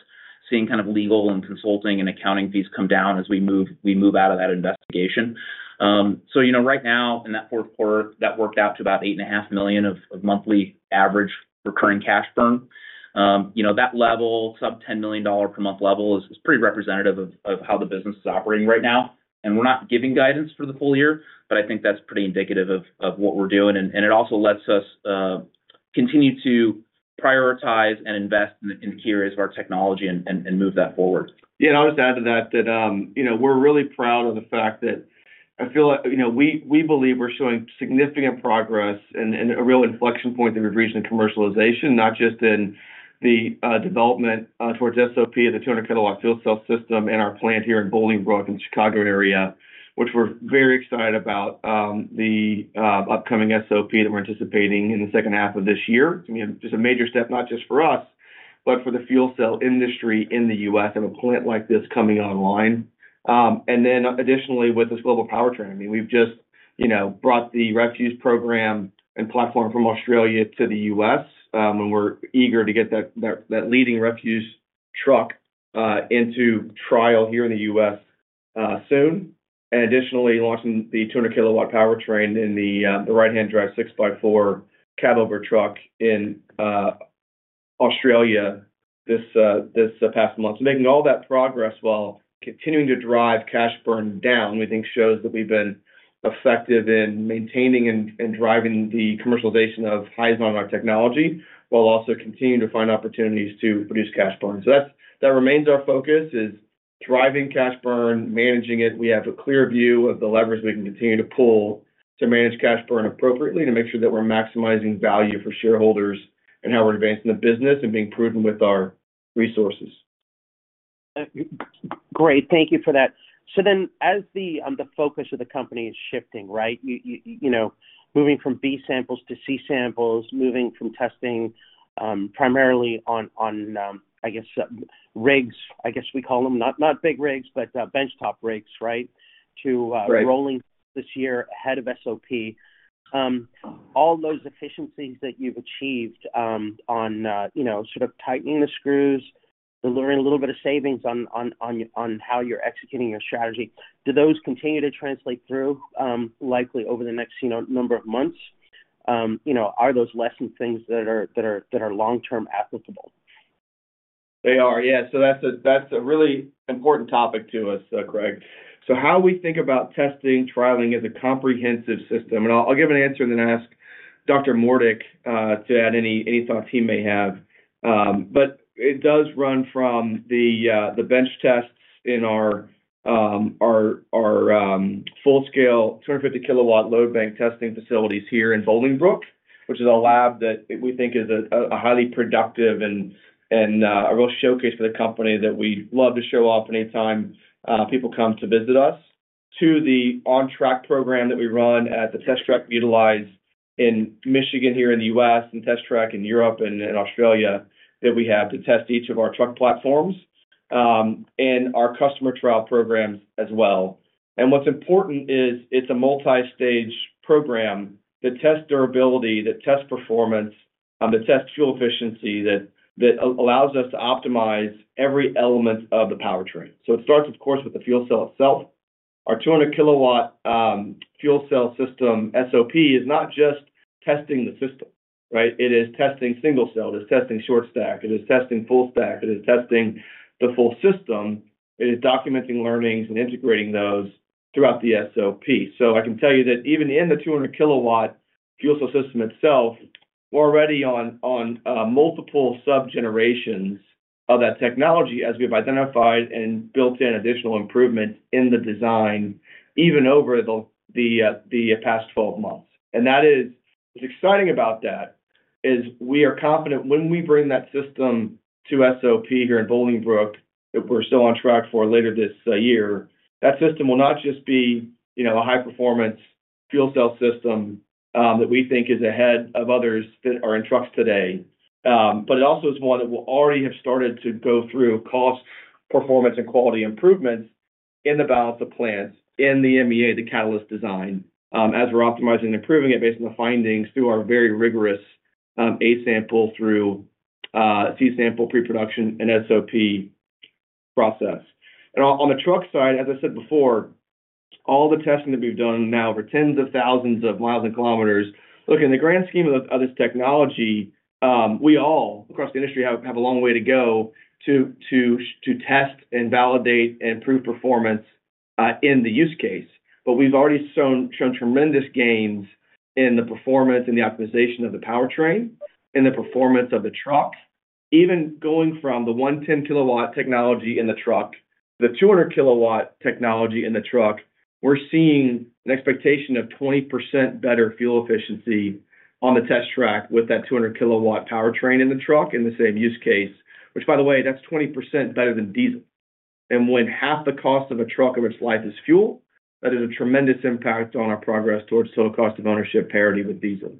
seeing kind of legal and consulting and accounting fees come down as we move out of that investigation. So right now, in that Q4, that worked out to about $8.5 million of monthly average recurring cash burn. That level, sub $10 million per month level, is pretty representative of how the business is operating right now. We're not giving guidance for the full year, but I think that's pretty indicative of what we're doing. It also lets us continue to prioritize and invest in the carriers of our technology and move that forward. Yeah. And I'll just add to that that we're really proud of the fact that I feel like we believe we're showing significant progress and a real inflection point that we've reached in commercialization, not just in the development towards SOP of the 200 kW fuel cell system and our plant here in Bolingbrook in the Chicago area, which we're very excited about the upcoming SOP that we're anticipating in the second half of this year. I mean, just a major step, not just for us, but for the fuel cell industry in the U.S. and a plant like this coming online. And then additionally, with this global powertrain, I mean, we've just brought the Refuse Program and platform from Australia to the U.S., and we're eager to get that leading refuse truck into trial here in the U.S. soon. Additionally, launching the 200 kW powertrain in the right-hand drive 6x4 cab-over truck in Australia this past month. So making all that progress while continuing to drive cash burn down, we think, shows that we've been effective in maintaining and driving the commercialization of Hyzon and our technology while also continuing to find opportunities to produce cash burn. So that remains our focus, is driving cash burn, managing it. We have a clear view of the levers we can continue to pull to manage cash burn appropriately to make sure that we're maximizing value for shareholders and how we're advancing the business and being prudent with our resources. Great. Thank you for that. So then as the focus of the company is shifting, right, moving from B-samples to C-samples, moving from testing primarily on, I guess, rigs, I guess we call them, not big rigs, but benchtop rigs, right, to rolling this year ahead of SOP, all those efficiencies that you've achieved on sort of tightening the screws, delivering a little bit of savings on how you're executing your strategy, do those continue to translate through likely over the next number of months? Are those lessened things that are long-term applicable? They are. Yeah. So that's a really important topic to us, Craig. So how we think about testing, trialing as a comprehensive system and I'll give an answer and then ask Dr. Mohrdieck to add any thoughts he may have. But it does run from the bench tests in our full-scale 250 kW load bank testing facilities here in Bolingbrook, which is a lab that we think is a highly productive and a real showcase for the company that we love to show off anytime people come to visit us, to the on-track program that we run at the Test Track facility in Michigan here in the U.S. and Test Track in Europe and Australia that we have to test each of our truck platforms and our customer trial programs as well. What's important is it's a multi-stage program that tests durability, that tests performance, that tests fuel efficiency, that allows us to optimize every element of the powertrain. So it starts, of course, with the fuel cell itself. Our 200 kW fuel cell system SOP is not just testing the system, right? It is testing single-cell. It is testing short-stack. It is testing full-stack. It is testing the full system. It is documenting learnings and integrating those throughout the SOP. So I can tell you that even in the 200 kW fuel cell system itself, we're already on multiple sub-generations of that technology as we've identified and built in additional improvements in the design even over the past 12 months. What's exciting about that is we are confident when we bring that system to SOP here in Bolingbrook that we're still on track for later this year, that system will not just be a high-performance fuel cell system that we think is ahead of others that are in trucks today, but it also is one that will already have started to go through cost, performance, and quality improvements in the Balance of Plant in the MEA, the catalyst design, as we're optimizing and improving it based on the findings through our very rigorous A-sample, through C-sample, pre-production, and SOP process. On the truck side, as I said before, all the testing that we've done now over tens of thousands of miles and kilometers, look, in the grand scheme of this technology, we all across the industry have a long way to go to test and validate and prove performance in the use case. But we've already shown tremendous gains in the performance and the optimization of the powertrain and the performance of the truck. Even going from the 110 kW technology in the truck to the 200 kW technology in the truck, we're seeing an expectation of 20% better fuel efficiency on the test track with that 200 kW powertrain in the truck in the same use case, which, by the way, that's 20% better than diesel. When half the cost of a truck of its life is fuel, that is a tremendous impact on our progress towards total cost of ownership parity with diesel.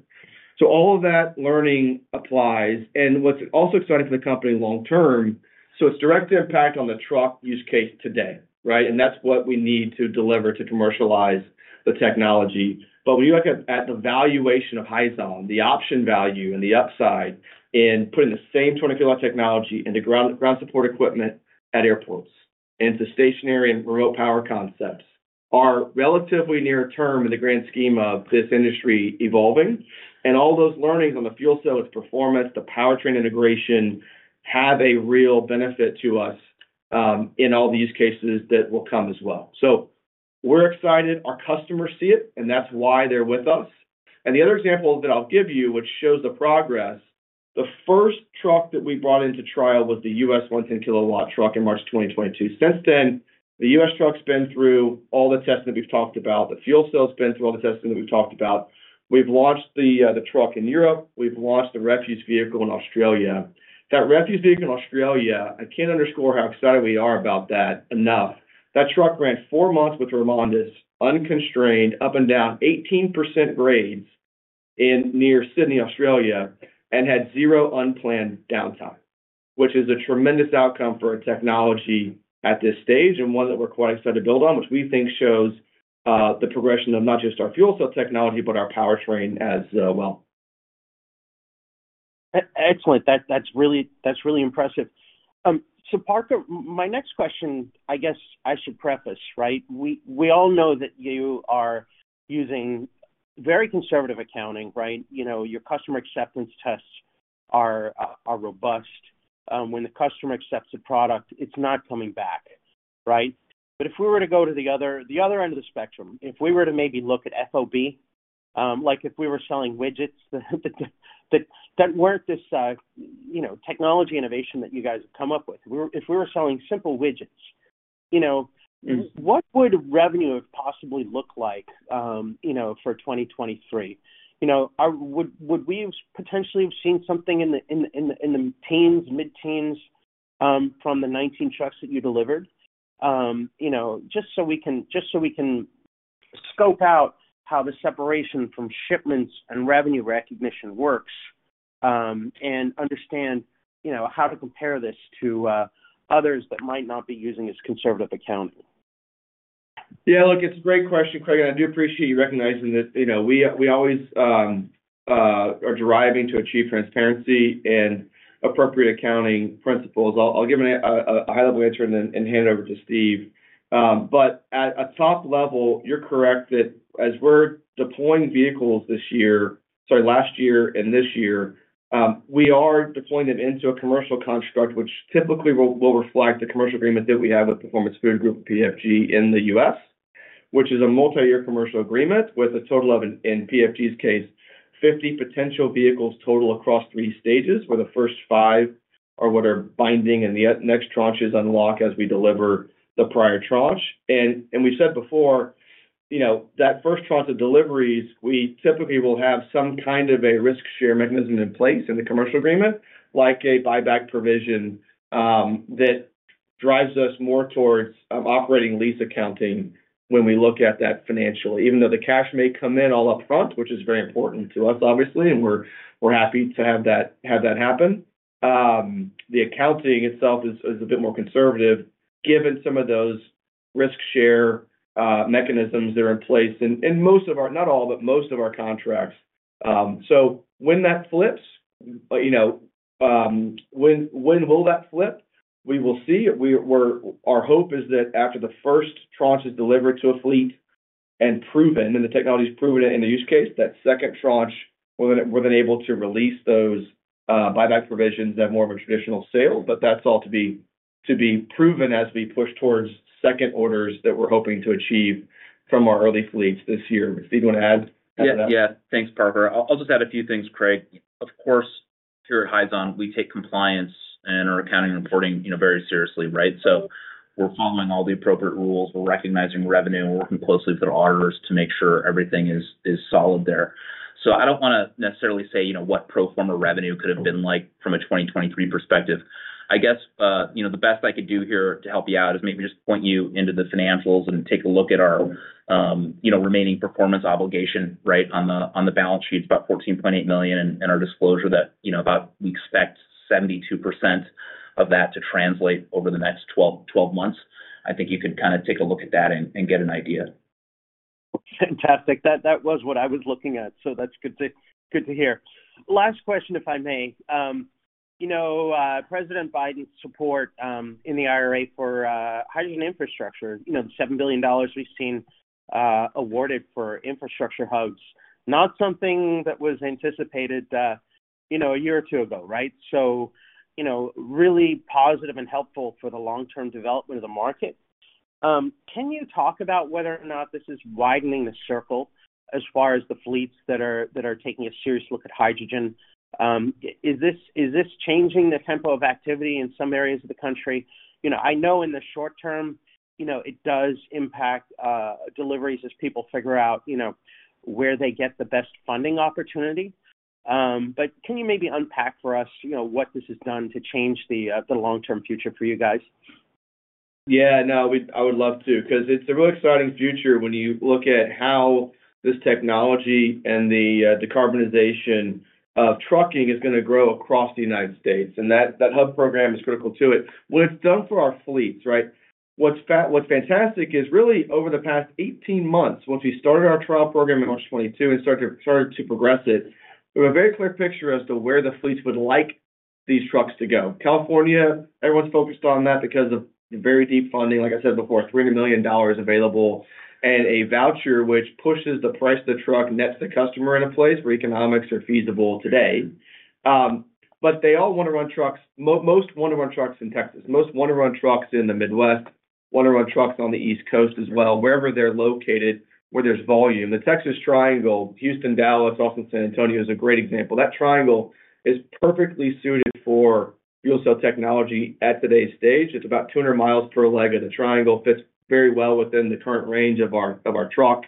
All of that learning applies. What's also exciting for the company long-term, so it's direct impact on the truck use case today, right? That's what we need to deliver to commercialize the technology. But when you look at the valuation of Hyzon, the option value and the upside in putting the same 200 kW technology into ground support equipment at airports, into stationary and remote power concepts are relatively near-term in the grand scheme of this industry evolving. All those learnings on the fuel cell, its performance, the powertrain integration have a real benefit to us in all the use cases that will come as well. We're excited. Our customers see it, and that's why they're with us. The other example that I'll give you, which shows the progress, the first truck that we brought into trial was the U.S. 110 kW truck in March 2022. Since then, the U.S. truck's been through all the testing that we've talked about. The fuel cell's been through all the testing that we've talked about. We've launched the truck in Europe. We've launched the refuse vehicle in Australia. That refuse vehicle in Australia, I can't underscore how excited we are about that enough. That truck ran four months with REMONDIS unconstrained, up and down 18% grades near Sydney, Australia, and had zero unplanned downtime, which is a tremendous outcome for a technology at this stage and one that we're quite excited to build on, which we think shows the progression of not just our fuel cell technology but our powertrain as well. Excellent. That's really impressive. So, Parker, my next question, I guess I should preface, right? We all know that you are using very conservative accounting, right? Your customer acceptance tests are robust. When the customer accepts the product, it's not coming back, right? But if we were to go to the other end of the spectrum, if we were to maybe look at FOB, like if we were selling widgets that weren't this technology innovation that you guys have come up with, if we were selling simple widgets, what would revenue possibly look like for 2023? Would we potentially have seen something in the teens, mid-teens from the 19 trucks that you delivered? Just so we can scope out how the separation from shipments and revenue recognition works and understand how to compare this to others that might not be using as conservative accounting. Yeah. Look, it's a great question, Craig. And I do appreciate you recognizing that we always are driving to achieve transparency and appropriate accounting principles. I'll give a high-level answer and then hand it over to Steve. But at a top level, you're correct that as we're deploying vehicles this year, sorry, last year and this year, we are deploying them into a commercial construct, which typically will reflect the commercial agreement that we have with Performance Food Group, PFG, in the U.S., which is a multi-year commercial agreement with a total of, in PFG's case, 50 potential vehicles total across three stages, where the first five are what are binding and the next tranches unlock as we deliver the prior tranche. We've said before, that first tranche of deliveries, we typically will have some kind of a risk-share mechanism in place in the commercial agreement, like a buyback provision that drives us more towards operating lease accounting when we look at that financially, even though the cash may come in all upfront, which is very important to us, obviously, and we're happy to have that happen. The accounting itself is a bit more conservative given some of those risk-share mechanisms that are in place in most of our not all, but most of our contracts. So when that flips when will that flip? We will see. Our hope is that after the first tranche is delivered to a fleet and proven and the technology's proven it in the use case, that second tranche, we're then able to release those buyback provisions that have more of a traditional sale. But that's all to be proven as we push towards second orders that we're hoping to achieve from our early fleets this year. Steve, you want to add to that? Yeah. Thanks, Parker. I'll just add a few things, Craig. Of course, here at Hyzon, we take compliance and our accounting and reporting very seriously, right? So we're following all the appropriate rules. We're recognizing revenue. We're working closely with our auditors to make sure everything is solid there. So I don't want to necessarily say what pro forma revenue could have been like from a 2023 perspective. I guess the best I could do here to help you out is maybe just point you into the financials and take a look at our remaining performance obligation, right, on the balance sheet, it's about $14.8 million, and our disclosure that we expect 72% of that to translate over the next 12 months. I think you could kind of take a look at that and get an idea. Fantastic. That was what I was looking at. So that's good to hear. Last question, if I may. President Biden's support in the IRA for hydrogen infrastructure, the $7 billion we've seen awarded for infrastructure hubs, not something that was anticipated a year or two ago, right? So really positive and helpful for the long-term development of the market. Can you talk about whether or not this is widening the circle as far as the fleets that are taking a serious look at hydrogen? Is this changing the tempo of activity in some areas of the country? I know in the short term, it does impact deliveries as people figure out where they get the best funding opportunity. But can you maybe unpack for us what this has done to change the long-term future for you guys? Yeah. No, I would love to because it's a real exciting future when you look at how this technology and the decarbonization of trucking is going to grow across the United States. And that hub program is critical to it. When it's done for our fleets, right, what's fantastic is really over the past 18 months, once we started our trial program in March 2022 and started to progress it, we have a very clear picture as to where the fleets would like these trucks to go. California, everyone's focused on that because of the very deep funding, like I said before, $300 million available and a voucher, which pushes the price of the truck nets the customer in a place where economics are feasible today. But they all want to run trucks. Most want to run trucks in Texas. Most want to run trucks in the Midwest, want to run trucks on the East Coast as well, wherever they're located, where there's volume. The Texas Triangle, Houston, Dallas, Austin, San Antonio, is a great example. That triangle is perfectly suited for fuel cell technology at today's stage. It's about 200 miles per leg of the triangle. Fits very well within the current range of our truck.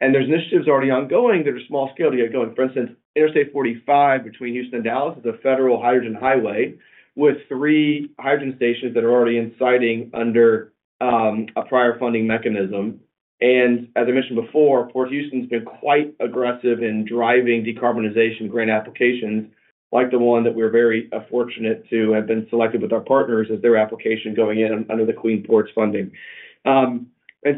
There's initiatives already ongoing that are small-scale to get going. For instance, Interstate 45 between Houston and Dallas is a federal hydrogen highway with three hydrogen stations that are already siting under a prior funding mechanism. And as I mentioned before, Port Houston's been quite aggressive in driving decarbonization grant applications like the one that we're very fortunate to have been selected with our partners as their application going in under the Clean Ports funding. And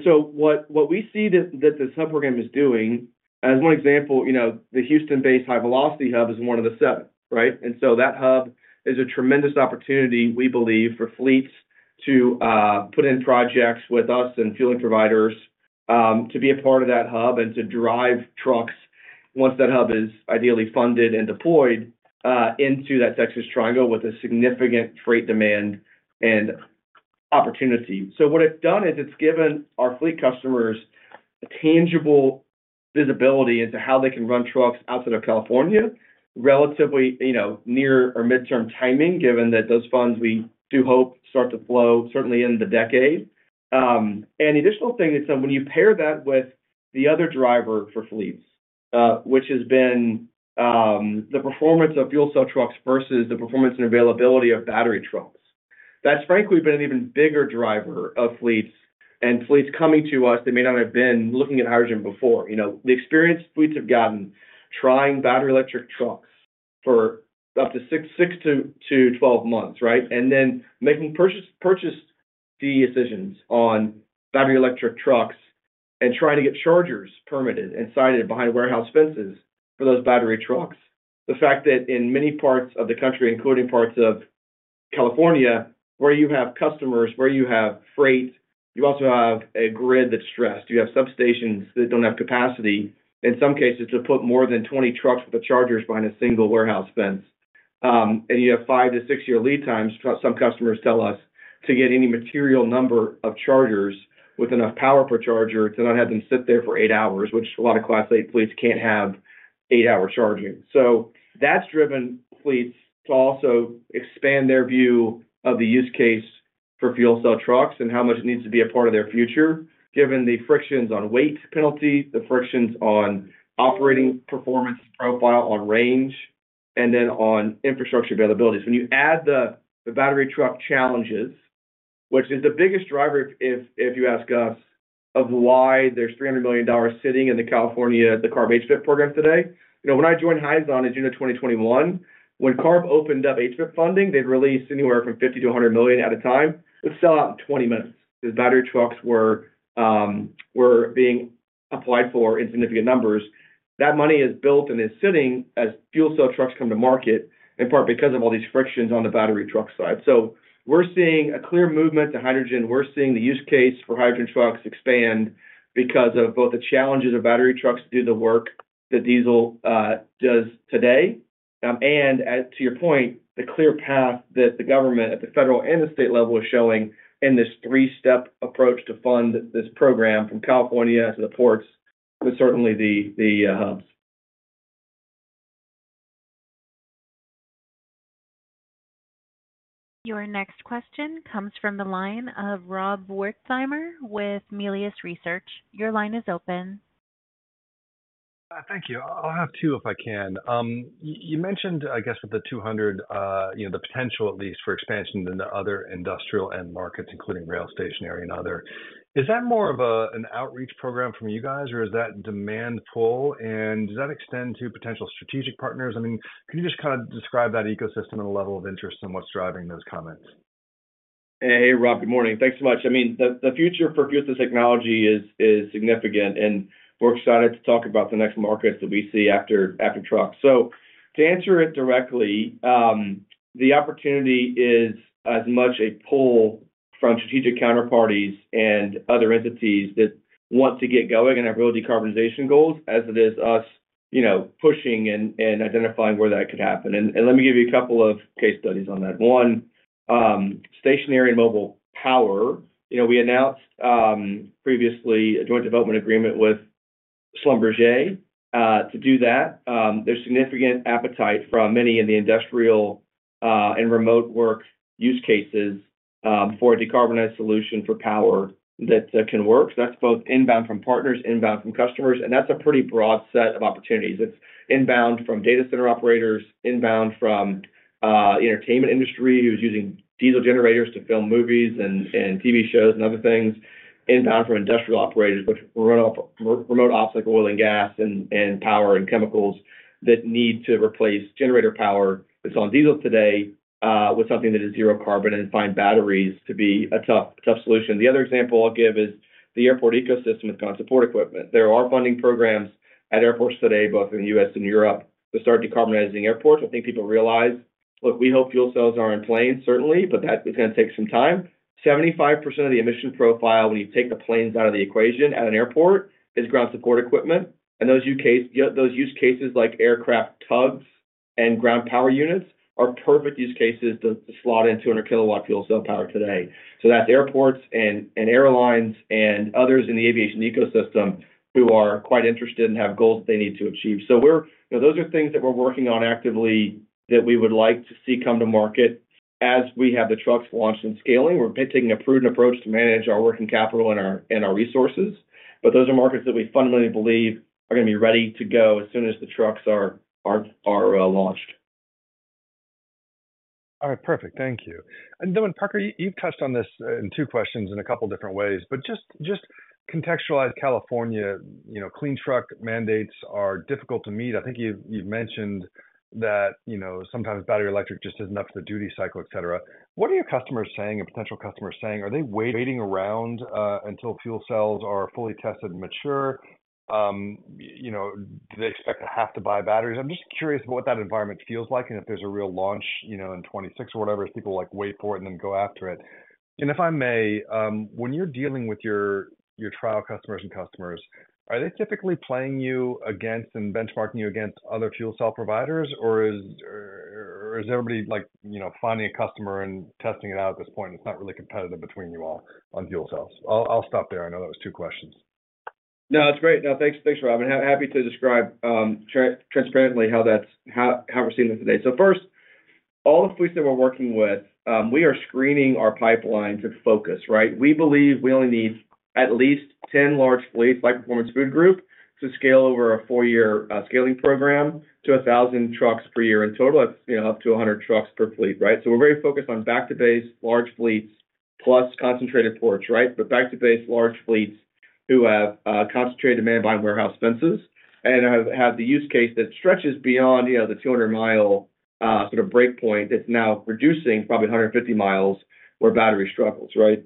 so what we see that this hub program is doing, as one example, the Houston-based HyVelocity Hub is one of the seven, right? And so that hub is a tremendous opportunity, we believe, for fleets to put in projects with us and fueling providers to be a part of that hub and to drive trucks once that hub is ideally funded and deployed into that Texas triangle with a significant freight demand and opportunity. So what it's done is it's given our fleet customers tangible visibility into how they can run trucks outside of California relatively near or mid-term timing, given that those funds we do hope start to flow, certainly in the decade. The additional thing is when you pair that with the other driver for fleets, which has been the performance of fuel cell trucks versus the performance and availability of battery trucks, that's, frankly, been an even bigger driver of fleets. Fleets coming to us, they may not have been looking at hydrogen before. The experience fleets have gotten trying battery electric trucks for up to six to 12 months, right, and then making purchase decisions on battery electric trucks and trying to get chargers permitted and sited behind warehouse fences for those battery trucks. The fact that in many parts of the country, including parts of California where you have customers, where you have freight, you also have a grid that's stressed. You have substations that don't have capacity, in some cases, to put more than 20 trucks with the chargers behind a single warehouse fence. You have five to six-year lead times, some customers tell us, to get any material number of chargers with enough power per charger to not have them sit there for eight hours, which a lot of Class 8 fleets can't have 8-hour charging. So that's driven fleets to also expand their view of the use case for fuel cell trucks and how much it needs to be a part of their future, given the frictions on weight penalty, the frictions on operating performance profile, on range, and then on infrastructure availabilities. When you add the battery truck challenges, which is the biggest driver, if you ask us, of why there's $300 million sitting in the California CARB HVIP program today. When I joined Hyzon in June of 2021, when CARB opened up HVIP funding, they'd release anywhere from $50 million to $100 million at a time. It would sell out in 20 minutes because battery trucks were being applied for in significant numbers. That money is built and is sitting as fuel cell trucks come to market, in part because of all these frictions on the battery truck side. So we're seeing a clear movement to hydrogen. We're seeing the use case for hydrogen trucks expand because of both the challenges of battery trucks to do the work that diesel does today and, to your point, the clear path that the government at the federal and the state level is showing in this three-step approach to fund this program from California to the ports, but certainly the hubs. Your next question comes from the line of Rob Wertheimer with Melius Research. Your line is open. Thank you. I'll have two if I can. You mentioned, I guess, with the 200, the potential at least for expansion in the other industrial end markets, including rail, stationary, and other. Is that more of an outreach program from you guys, or is that demand pull? And does that extend to potential strategic partners? I mean, can you just kind of describe that ecosystem and the level of interest and what's driving those comments? Hey, Rob. Good morning. Thanks so much. I mean, the future for fuel cell technology is significant, and we're excited to talk about the next markets that we see after trucks. So to answer it directly, the opportunity is as much a pull from strategic counterparties and other entities that want to get going and have real decarbonization goals as it is us pushing and identifying where that could happen. And let me give you a couple of case studies on that. One, stationary and mobile power. We announced previously a joint development agreement with Schlumberger to do that. There's significant appetite from many in the industrial and remote work use cases for a decarbonized solution for power that can work. So that's both inbound from partners, inbound from customers, and that's a pretty broad set of opportunities. It's inbound from data center operators, inbound from the entertainment industry who's using diesel generators to film movies and TV shows and other things, inbound from industrial operators which run off remote ops like oil and gas and power and chemicals that need to replace generator power that's on diesel today with something that is zero carbon and find batteries to be a tough solution. The other example I'll give is the airport ecosystem with ground support equipment. There are funding programs at airports today, both in the U.S. and Europe, to start decarbonizing airports. I think people realize, "Look, we hope fuel cells aren't in planes, certainly, but that is going to take some time." 75% of the emission profile when you take the planes out of the equation at an airport is ground support equipment. Those use cases like aircraft tugs and ground power units are perfect use cases to slot in 200 kW fuel cell power today. So that's airports and airlines and others in the aviation ecosystem who are quite interested and have goals that they need to achieve. So those are things that we're working on actively that we would like to see come to market as we have the trucks launched and scaling. We're taking a prudent approach to manage our working capital and our resources, but those are markets that we fundamentally believe are going to be ready to go as soon as the trucks are launched. All right. Perfect. Thank you. And Parker, you've touched on this in two questions in a couple of different ways, but just contextualize California. Clean truck mandates are difficult to meet. I think you've mentioned that sometimes battery electric just isn't up to the duty cycle, etc. What are your customers saying, your potential customers saying? Are they waiting around until fuel cells are fully tested and mature? Do they expect to have to buy batteries? I'm just curious about what that environment feels like and if there's a real launch in 2026 or whatever as people wait for it and then go after it. If I may, when you're dealing with your trial customers and customers, are they typically playing you against and benchmarking you against other fuel cell providers, or is everybody finding a customer and testing it out at this point and it's not really competitive between you all on fuel cells? I'll stop there. I know that was two questions. No, it's great. No, thanks, Rob. And happy to describe transparently how we're seeing this today. So first, all the fleets that we're working with, we are screening our pipelines of focus, right? We believe we only need at least 10 large fleets, like Performance Food Group, to scale over a 4-year scaling program to 1,000 trucks per year in total. That's up to 100 trucks per fleet, right? So we're very focused on back-to-base large fleets plus concentrated ports, right? But back-to-base large fleets who have concentrated demand behind warehouse fences and have the use case that stretches beyond the 200-mile sort of breakpoint that's now reducing probably 150 miles where battery struggles, right?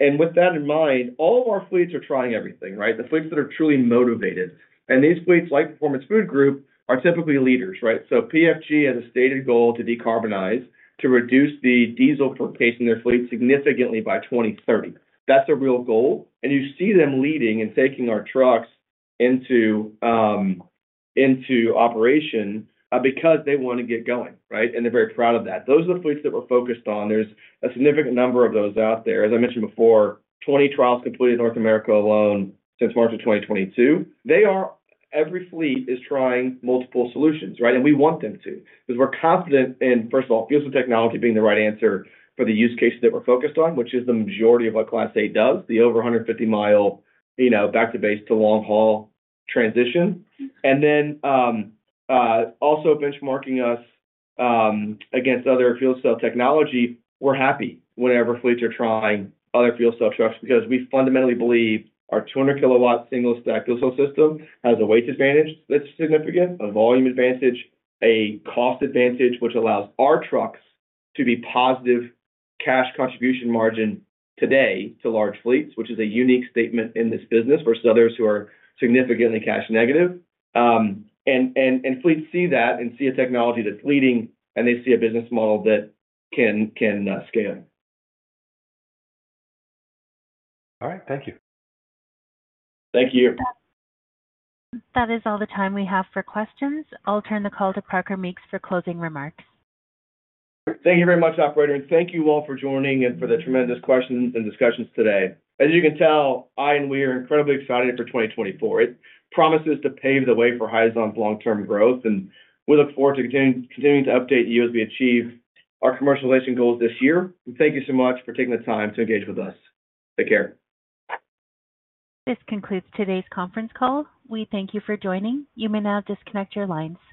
And with that in mind, all of our fleets are trying everything, right? The fleets that are truly motivated. And these fleets, like Performance Food Group, are typically leaders, right? PFG has a stated goal to decarbonize, to reduce the diesel forcing their fleet significantly by 2030. That's a real goal. You see them leading and taking our trucks into operation because they want to get going, right? They're very proud of that. Those are the fleets that we're focused on. There's a significant number of those out there. As I mentioned before, 20 trials completed in North America alone since March of 2022. Every fleet is trying multiple solutions, right? We want them to because we're confident in, first of all, fuel cell technology being the right answer for the use case that we're focused on, which is the majority of what Class 8 does, the over 150-mile back-to-base to long-haul transition. And then also benchmarking us against other fuel cell technology, we're happy whenever fleets are trying other fuel cell trucks because we fundamentally believe our 200 kW single-stack fuel cell system has a weight advantage that's significant, a volume advantage, a cost advantage, which allows our trucks to be positive cash contribution margin today to large fleets, which is a unique statement in this business versus others who are significantly cash negative. Fleets see that and see a technology that's leading, and they see a business model that can scale. All right. Thank you. Thank you. That is all the time we have for questions. I'll turn the call to Parker Meeks for closing remarks. Thank you very much, operator. Thank you all for joining and for the tremendous questions and discussions today. As you can tell, I and we are incredibly excited for 2024. It promises to pave the way for Hyzon's long-term growth, and we look forward to continuing to update you as we achieve our commercialization goals this year. Thank you so much for taking the time to engage with us. Take care. This concludes today's conference call. We thank you for joining. You may now disconnect your lines.